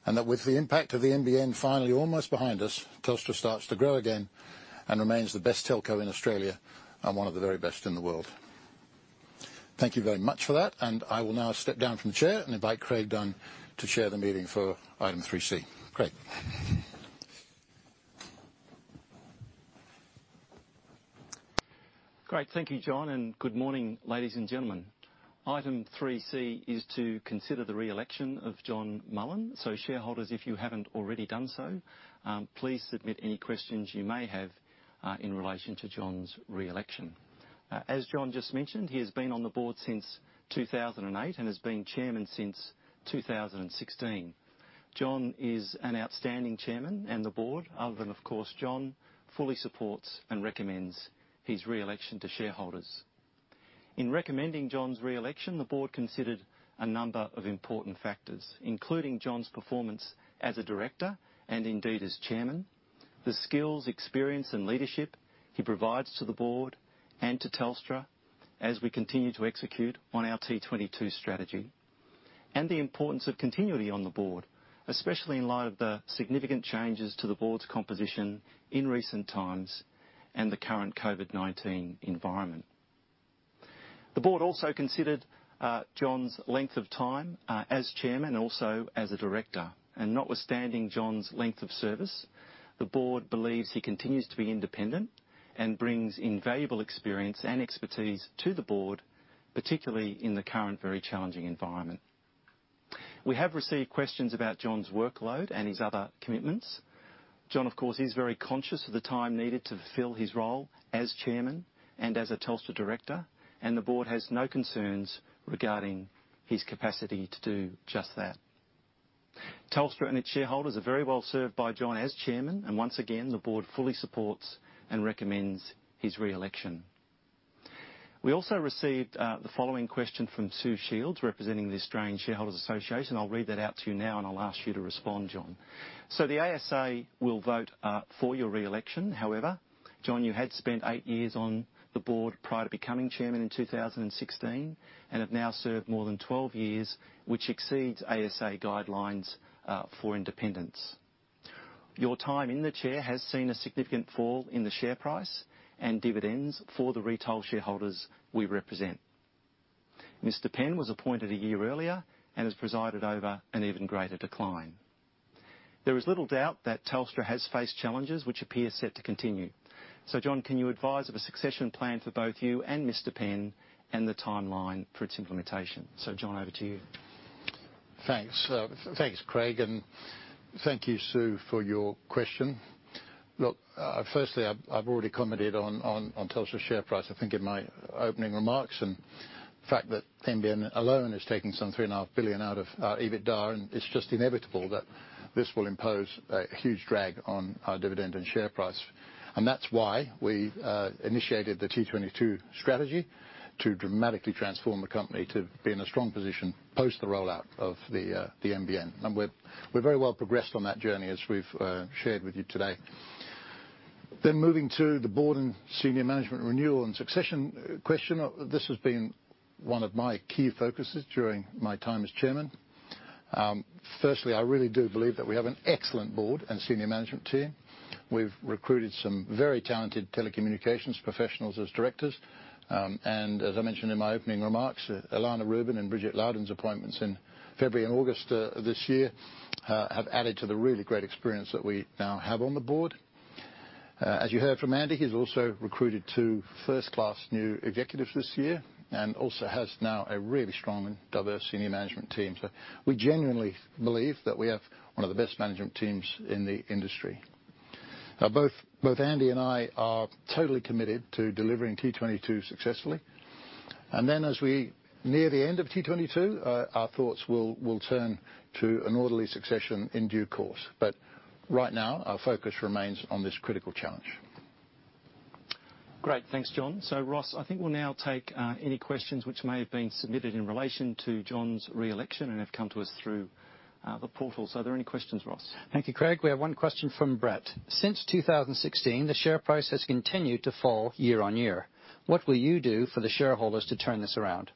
and that with the impact of the NBN finally almost behind us, Telstra starts to grow again and remains the best telco in Australia and one of the very best in the world. Thank you very much for that, and I will now step down from the chair and invite Craig Dunn to chair the meeting for item 3C. Craig. Great. Thank you, John, and good morning, ladies and gentlemen. Item three C is to consider the re-election of John Mullen. So, shareholders, if you haven't already done so, please submit any questions you may have in relation to John's re-election. As John just mentioned, he has been on the board since 2008, and has been chairman since 2016. John is an outstanding chairman, and the board, other than, of course, John, fully supports and recommends his re-election to shareholders. In recommending John's re-election, the board considered a number of important factors, including John's performance as a director and indeed as chairman. The skills, experience, and leadership he provides to the board and to Telstra as we continue to execute on our T22 strategy, and the importance of continuity on the board, especially in light of the significant changes to the board's composition in recent times and the current COVID-19 environment. The board also considered John's length of time as chairman and also as a director. Notwithstanding John's length of service, the board believes he continues to be independent and brings invaluable experience and expertise to the board, particularly in the current, very challenging environment. We have received questions about John's workload and his other commitments. John, of course, is very conscious of the time needed to fulfill his role as chairman and as a Telstra director, and the board has no concerns regarding his capacity to do just that. Telstra and its shareholders are very well served by John as chairman, and once again, the board fully supports and recommends his re-election. We also received the following question from Sue Shields, representing the Australian Shareholders Association. I'll read that out to you now, and I'll ask you to respond, John. So the ASA will vote for your re-election. However, John, you had spent 8 years on the board prior to becoming chairman in 2016, and have now served more than 12 years, which exceeds ASA guidelines for independence... Your time in the chair has seen a significant fall in the share price and dividends for the retail shareholders we represent. Mr. Penn was appointed a year earlier and has presided over an even greater decline. There is little doubt that Telstra has faced challenges which appear set to continue. So, John, can you advise of a succession plan for both you and Mr. Penn and the timeline for its implementation? So John, over to you. Thanks. Thanks, Craig, and thank you, Sue, for your question. Look, firstly, I've already commented on Telstra's share price, I think in my opening remarks, and the fact that NBN alone is taking some 3.5 billion out of EBITDA, and it's just inevitable that this will impose a huge drag on our dividend and share price. And that's why we initiated the T22 strategy to dramatically transform the company to be in a strong position post the rollout of the NBN. And we're very well progressed on that journey, as we've shared with you today. Then moving to the board and senior management renewal and succession question, this has been one of my key focuses during my time as chairman. Firstly, I really do believe that we have an excellent board and senior management team. We've recruited some very talented telecommunications professionals as directors. As I mentioned in my opening remarks, Elana Rubin and Bridget Loudon's appointments in February and August this year have added to the really great experience that we now have on the board. As you heard from Andy, he's also recruited two first-class new executives this year and also has now a really strong and diverse senior management team. We genuinely believe that we have one of the best management teams in the industry. Now, both Andy and I are totally committed to delivering T22 successfully. Then, as we near the end of T22, our thoughts will turn to an orderly succession in due course. Right now, our focus remains on this critical challenge. Great. Thanks, John. So, Ross, I think we'll now take any questions which may have been submitted in relation to John's re-election and have come to us through the portal. So are there any questions, Ross? Thank you, Craig. We have one question from Brett: Since 2016, the share price has continued to fall year on year. What will you do for the shareholders to turn this around?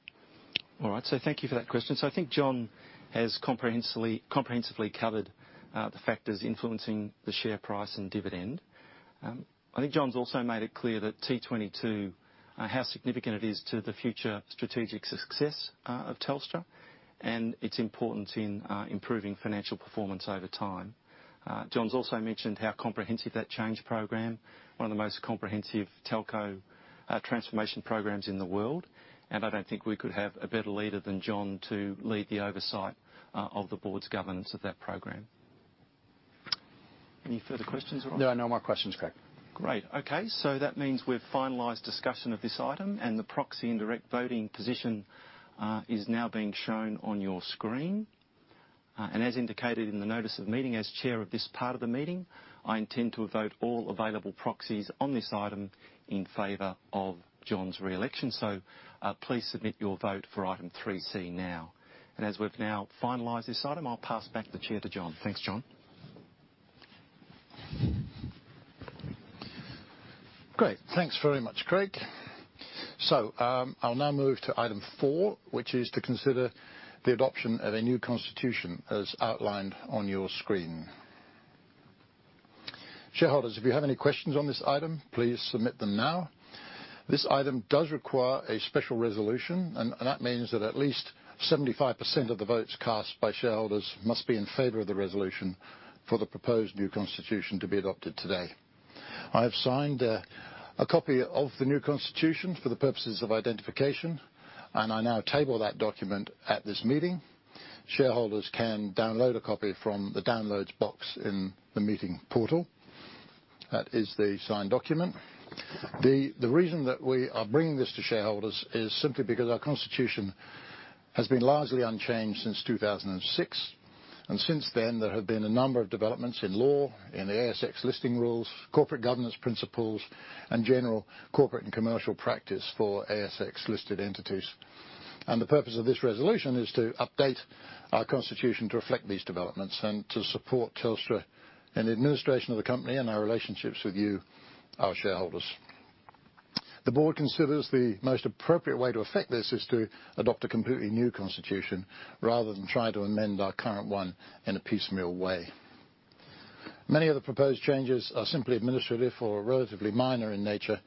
All right, so thank you for that question. So I think John has comprehensively, comprehensively covered the factors influencing the share price and dividend. I think John's also made it clear that T22, how significant it is to the future strategic success of Telstra, and it's important in improving financial performance over time. John's also mentioned how comprehensive that change program, one of the most comprehensive telco transformation programs in the world, and I don't think we could have a better leader than John to lead the oversight of the board's governance of that program. Any further questions, Ross? No, no more questions, Craig. Great. Okay, so that means we've finalized discussion of this item, and the proxy and direct voting position is now being shown on your screen. And as indicated in the notice of the meeting, as chair of this part of the meeting, I intend to vote all available proxies on this item in favor of John's re-election. So, please submit your vote for item 3C now. And as we've now finalized this item, I'll pass back the chair to John. Thanks, John. Great. Thanks very much, Craig. So, I'll now move to item four, which is to consider the adoption of a new constitution as outlined on your screen. Shareholders, if you have any questions on this item, please submit them now. This item does require a special resolution, and that means that at least 75% of the votes cast by shareholders must be in favor of the resolution for the proposed new constitution to be adopted today. I have signed a copy of the new constitution for the purposes of identification, and I now table that document at this meeting. Shareholders can download a copy from the Downloads box in the meeting portal. That is the signed document. The reason that we are bringing this to shareholders is simply because our constitution has been largely unchanged since 2006, and since then, there have been a number of developments in law, in the ASX listing rules, corporate governance principles, and general corporate and commercial practice for ASX-listed entities. The purpose of this resolution is to update our constitution to reflect these developments and to support Telstra in the administration of the company and our relationships with you, our shareholders. The board considers the most appropriate way to effect this is to adopt a completely new constitution, rather than try to amend our current one in a piecemeal way. Many of the proposed changes are simply administrative or relatively minor in nature,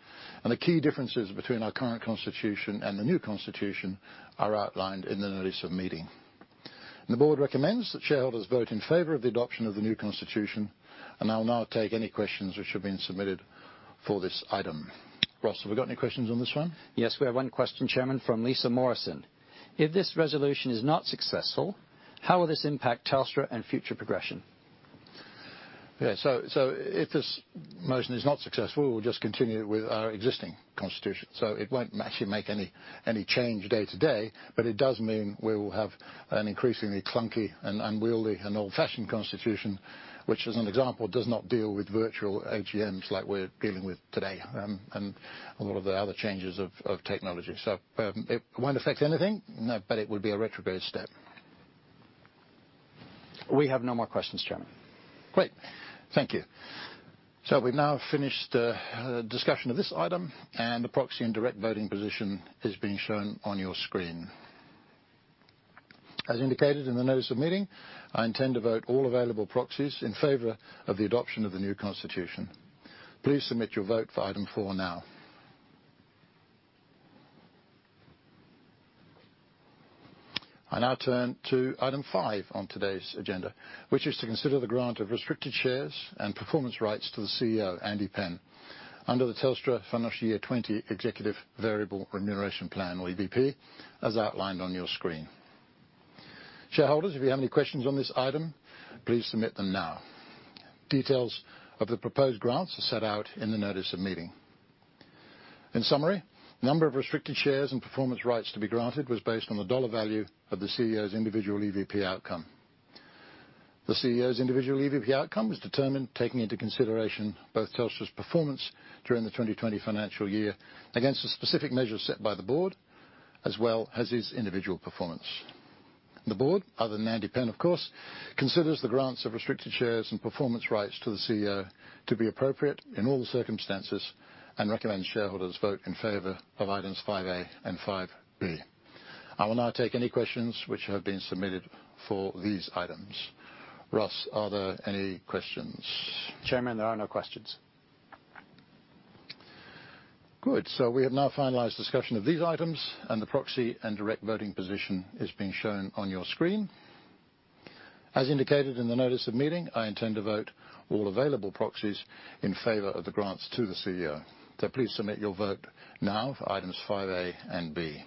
and the key differences between our current constitution and the new constitution are outlined in the notice of meeting. The board recommends that shareholders vote in favor of the adoption of the new constitution, and I'll now take any questions which have been submitted for this item. Ross, have we got any questions on this one? Yes, we have one question, Chairman, from Lisa Morrison: If this resolution is not successful, how will this impact Telstra and future progression? Yeah, so if this motion is not successful, we'll just continue with our existing constitution, so it won't actually make any change day to day, but it does mean we will have an increasingly clunky and unwieldy and old-fashioned constitution, which, as an example, does not deal with virtual AGMs like we're dealing with today, and a lot of the other changes of technology. So it won't affect anything, no, but it would be a retrograde step. We have no more questions, Chairman. Great. Thank you. So we've now finished discussion of this item, and the proxy and direct voting position is being shown on your screen. As indicated in the notice of meeting, I intend to vote all available proxies in favor of the adoption of the new constitution. Please submit your vote for item four now. I now turn to item five on today's agenda, which is to consider the grant of restricted shares and performance rights to the CEO, Andy Penn, under the Telstra Financial Year 2020 Executive Variable Remuneration Plan, or EVP, as outlined on your screen. Shareholders, if you have any questions on this item, please submit them now. Details of the proposed grants are set out in the notice of meeting. In summary, number of restricted shares and performance rights to be granted was based on the dollar value of the CEO's individual EVP outcome. The CEO's individual EVP outcome was determined, taking into consideration both Telstra's performance during the 2020 financial year against the specific measures set by the board, as well as his individual performance. The board, other than Andy Penn, of course, considers the grants of restricted shares and performance rights to the CEO to be appropriate in all the circumstances, and recommends shareholders vote in favor of items 5A and 5B. I will now take any questions which have been submitted for these items. Ross, are there any questions? Chairman, there are no questions. Good. So we have now finalized discussion of these items, and the proxy and direct voting position is being shown on your screen. As indicated in the notice of meeting, I intend to vote all available proxies in favor of the grants to the CEO. So please submit your vote now for items 5A and 5B.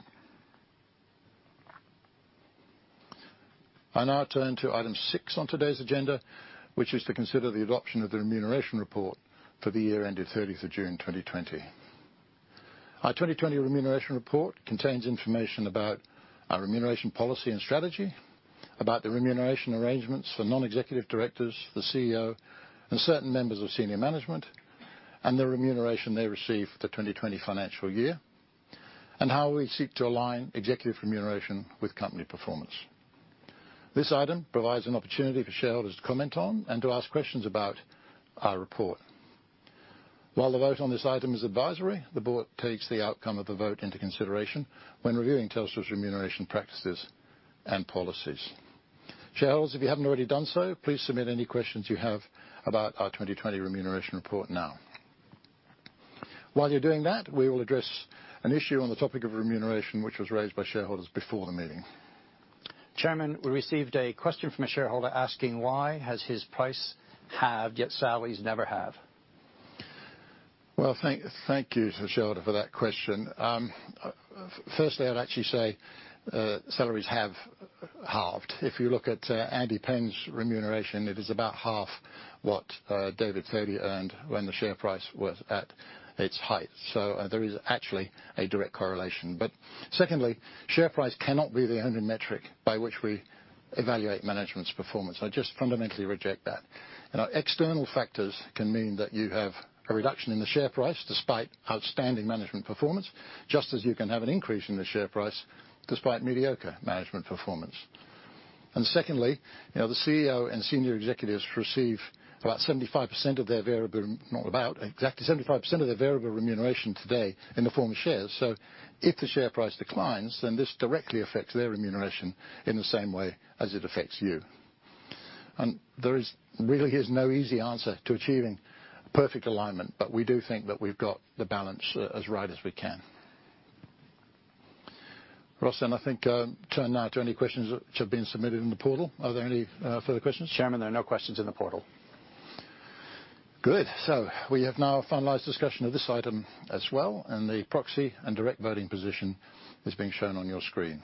I now turn to item six on today's agenda, which is to consider the adoption of the remuneration report for the year ended 30th of June, 2020. Our 2020 remuneration report contains information about our remuneration policy and strategy, about the remuneration arrangements for non-executive directors, the CEO, and certain members of senior management, and the remuneration they received for the 2020 financial year, and how we seek to align executive remuneration with company performance. This item provides an opportunity for shareholders to comment on and to ask questions about our report. While the vote on this item is advisory, the board takes the outcome of the vote into consideration when reviewing Telstra's remuneration practices and policies. Shareholders, if you haven't already done so, please submit any questions you have about our 2020 remuneration report now. While you're doing that, we will address an issue on the topic of remuneration, which was raised by shareholders before the meeting. Chairman, we received a question from a shareholder asking, "Why has his price halved, yet salaries never have? Well, thank you to the shareholder for that question. Firstly, I'd actually say salaries have halved. If you look at Andy Penn's remuneration, it is about half what David Thodey earned when the share price was at its height, so there is actually a direct correlation. But secondly, share price cannot be the only metric by which we evaluate management's performance. I just fundamentally reject that. You know, external factors can mean that you have a reduction in the share price, despite outstanding management performance, just as you can have an increase in the share price despite mediocre management performance. And secondly, you know, the CEO and senior executives receive about 75% of their variable-- Not about, exactly 75% of their variable remuneration today in the form of shares. So if the share price declines, then this directly affects their remuneration in the same way as it affects you. And there is... Really, there's no easy answer to achieving perfect alignment, but we do think that we've got the balance as right as we can. Ross, then I think, turn now to any questions which have been submitted in the portal. Are there any, further questions? Chairman, there are no questions in the portal. Good. So we have now finalized discussion of this item as well, and the proxy and direct voting position is being shown on your screen.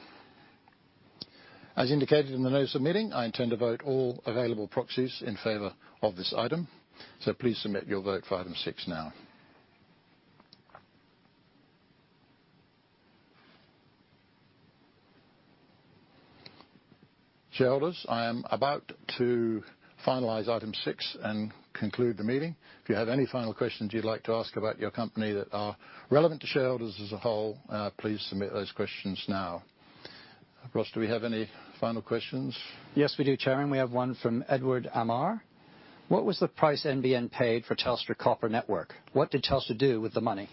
As indicated in the notice of meeting, I intend to vote all available proxies in favor of this item, so please submit your vote for item six now. Shareholders, I am about to finalize item six and conclude the meeting. If you have any final questions you'd like to ask about your company that are relevant to shareholders as a whole, please submit those questions now. Russ, do we have any final questions? Yes, we do, Chairman. We have one from Edward Amar: "What was the price NBN paid for Telstra Copper Network? What did Telstra do with the money?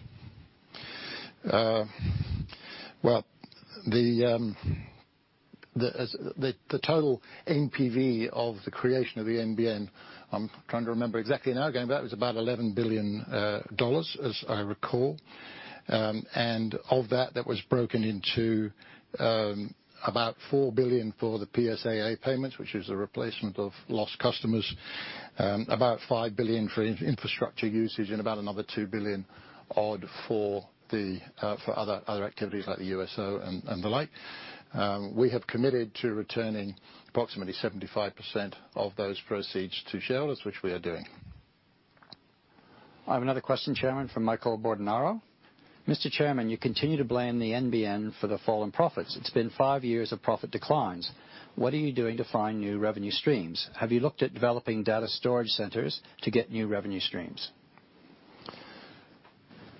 Well, the total NPV of the creation of the NBN, I'm trying to remember exactly now, going back, it was about 11 billion dollars, as I recall. And of that, that was broken into about 4 billion for the PSAA payments, which is a replacement of lost customers, about 5 billion for infrastructure usage, and about another 2 billion odd for the other activities like the USO and the like. We have committed to returning approximately 75% of those proceeds to shareholders, which we are doing. I have another question, Chairman, from Michael Bordenaro: "Mr. Chairman, you continue to blame the NBN for the fallen profits. It's been five years of profit declines. What are you doing to find new revenue streams? Have you looked at developing data storage centers to get new revenue streams?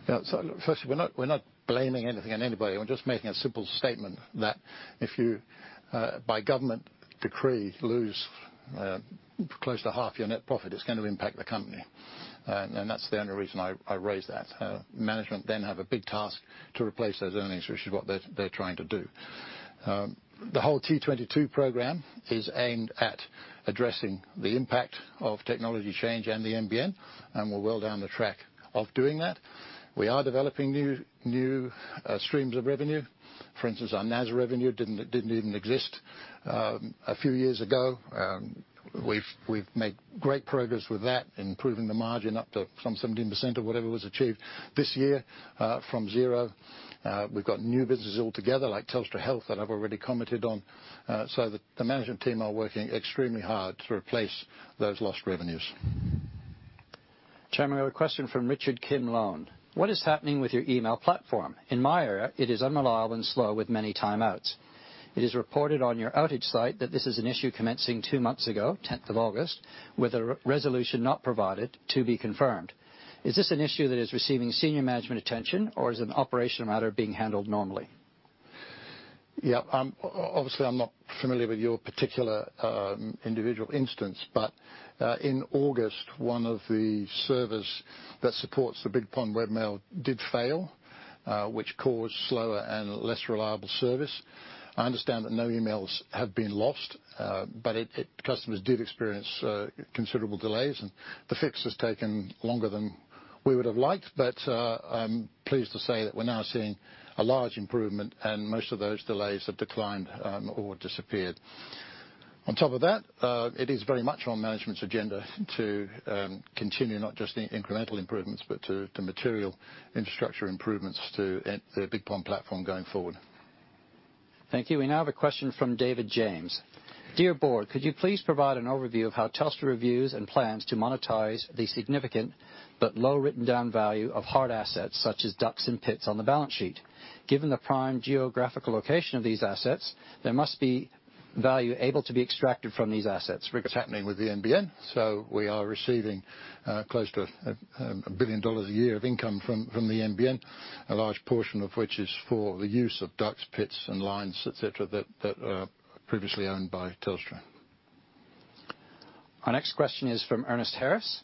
Yeah, so firstly, we're not blaming anything on anybody. We're just making a simple statement that if you, by government decree, lose close to half your net profit, it's gonna impact the company. And that's the only reason I raised that. Management then have a big task to replace those earnings, which is what they're trying to do. The whole T22 program is aimed at addressing the impact of technology change and the NBN, and we're well down the track of doing that. We are developing new streams of revenue. For instance, our NAS revenue didn't even exist a few years ago. We've made great progress with that, improving the margin up to some 17% of whatever was achieved this year, from zero. We've got new businesses altogether, like Telstra Health, that I've already commented on. So the management team are working extremely hard to replace those lost revenues. Chairman, I have a question from Richard Kinlough: "What is happening with your email platform? In my area, it is unreliable and slow with many timeouts. It is reported on your outage site that this is an issue commencing 2 months ago, 10th of August, with a resolution not provided, to be confirmed. Is this an issue that is receiving senior management attention, or is it an operational matter being handled normally? Yeah, obviously, I'm not familiar with your particular, individual instance, but, in August, one of the servers that supports the BigPond webmail did fail, which caused slower and less reliable service. I understand that no emails have been lost, but customers did experience considerable delays, and the fix has taken longer than we would have liked. But, I'm pleased to say that we're now seeing a large improvement, and most of those delays have declined, or disappeared. On top of that, it is very much on management's agenda to continue not just the incremental improvements, but to material infrastructure improvements to the BigPond platform going forward. Thank you. We now have a question from David James: "Dear Board, could you please provide an overview of how Telstra reviews and plans to monetize the significant but low written down value of hard assets such as ducts and pits on the balance sheet? Given the prime geographical location of these assets, there must be value able to be extracted from these assets. What's happening with the NBN, so we are receiving close to 1 billion dollars a year of income from the NBN, a large portion of which is for the use of ducts, pits, and lines, et cetera, that are previously owned by Telstra. Our next question is from Ernest Harris: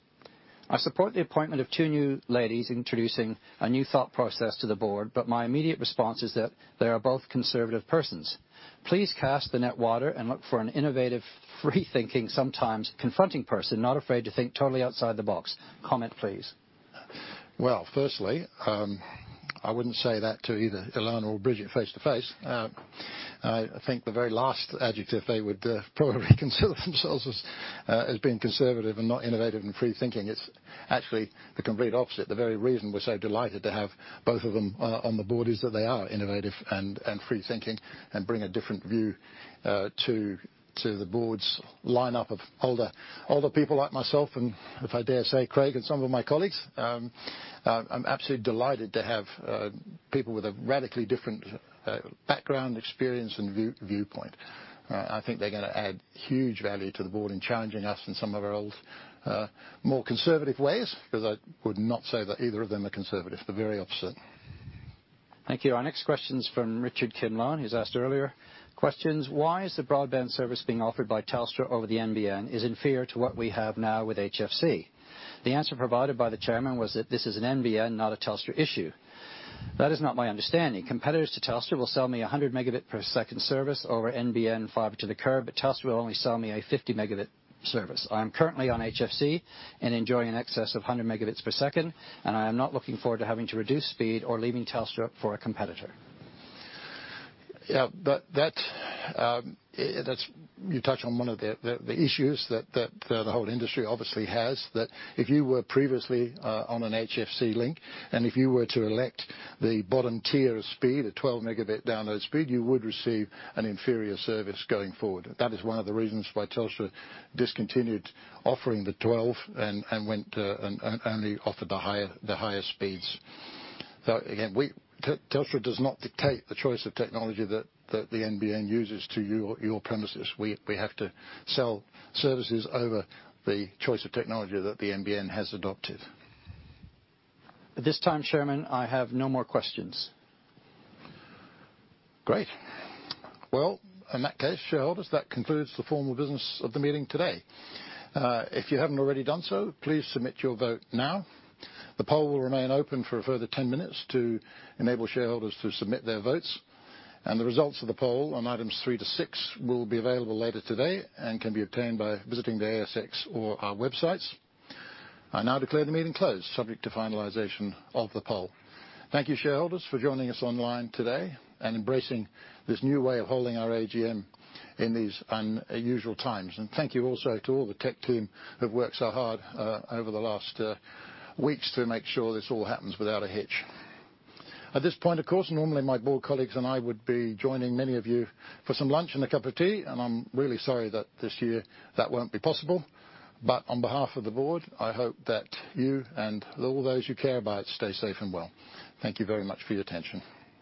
"I support the appointment of two new ladies introducing a new thought process to the board, but my immediate response is that they are both conservative persons. Please cast the net wider and look for an innovative, free-thinking, sometimes confronting person, not afraid to think totally outside the box. Comment, please. Well, firstly, I wouldn't say that to either Elana or Bridget face-to-face. I think the very last adjective they would probably consider themselves as being conservative and not innovative and free-thinking. It's actually the complete opposite. The very reason we're so delighted to have both of them on the board is that they are innovative and free-thinking and bring a different view to the board's lineup of older people like myself, and if I dare say, Craig and some of my colleagues. I'm absolutely delighted to have people with a radically different background, experience, and viewpoint. I think they're gonna add huge value to the board in challenging us in some of our old more conservative ways, because I would not say that either of them are conservative. The very opposite. Thank you. Our next question's from Richard Kim Loan, who's asked earlier questions: "Why is the broadband service being offered by Telstra over the NBN is inferior to what we have now with HFC? The answer provided by the chairman was that this is an NBN, not a Telstra issue. That is not my understanding. Competitors to Telstra will sell me a 100 Mbps service over NBN fiber to the curb, but Telstra will only sell me a 50 Mbps service. I'm currently on HFC and enjoying in excess of 100 Mbps, and I am not looking forward to having to reduce speed or leaving Telstra for a competitor. Yeah, but that's... You touched on one of the issues that the whole industry obviously has, that if you were previously on an HFC link, and if you were to elect the bottom tier of speed, a 12 Mbps download speed, you would receive an inferior service going forward. That is one of the reasons why Telstra discontinued offering the 12 and went and only offered the higher speeds. So again, Telstra does not dictate the choice of technology that the NBN uses to your premises. We have to sell services over the choice of technology that the NBN has adopted. At this time, Chairman, I have no more questions. Great. Well, in that case, shareholders, that concludes the formal business of the meeting today. If you haven't already done so, please submit your vote now. The poll will remain open for a further 10 minutes to enable shareholders to submit their votes, and the results of the poll on items 3 to 6 will be available later today and can be obtained by visiting the ASX or our websites. I now declare the meeting closed, subject to finalization of the poll. Thank you, shareholders, for joining us online today and embracing this new way of holding our AGM in these unusual times. And thank you also to all the tech team who have worked so hard, over the last weeks to make sure this all happens without a hitch. At this point, of course, normally my board colleagues and I would be joining many of you for some lunch and a cup of tea, and I'm really sorry that this year that won't be possible. But on behalf of the board, I hope that you and all those you care about stay safe and well. Thank you very much for your attention.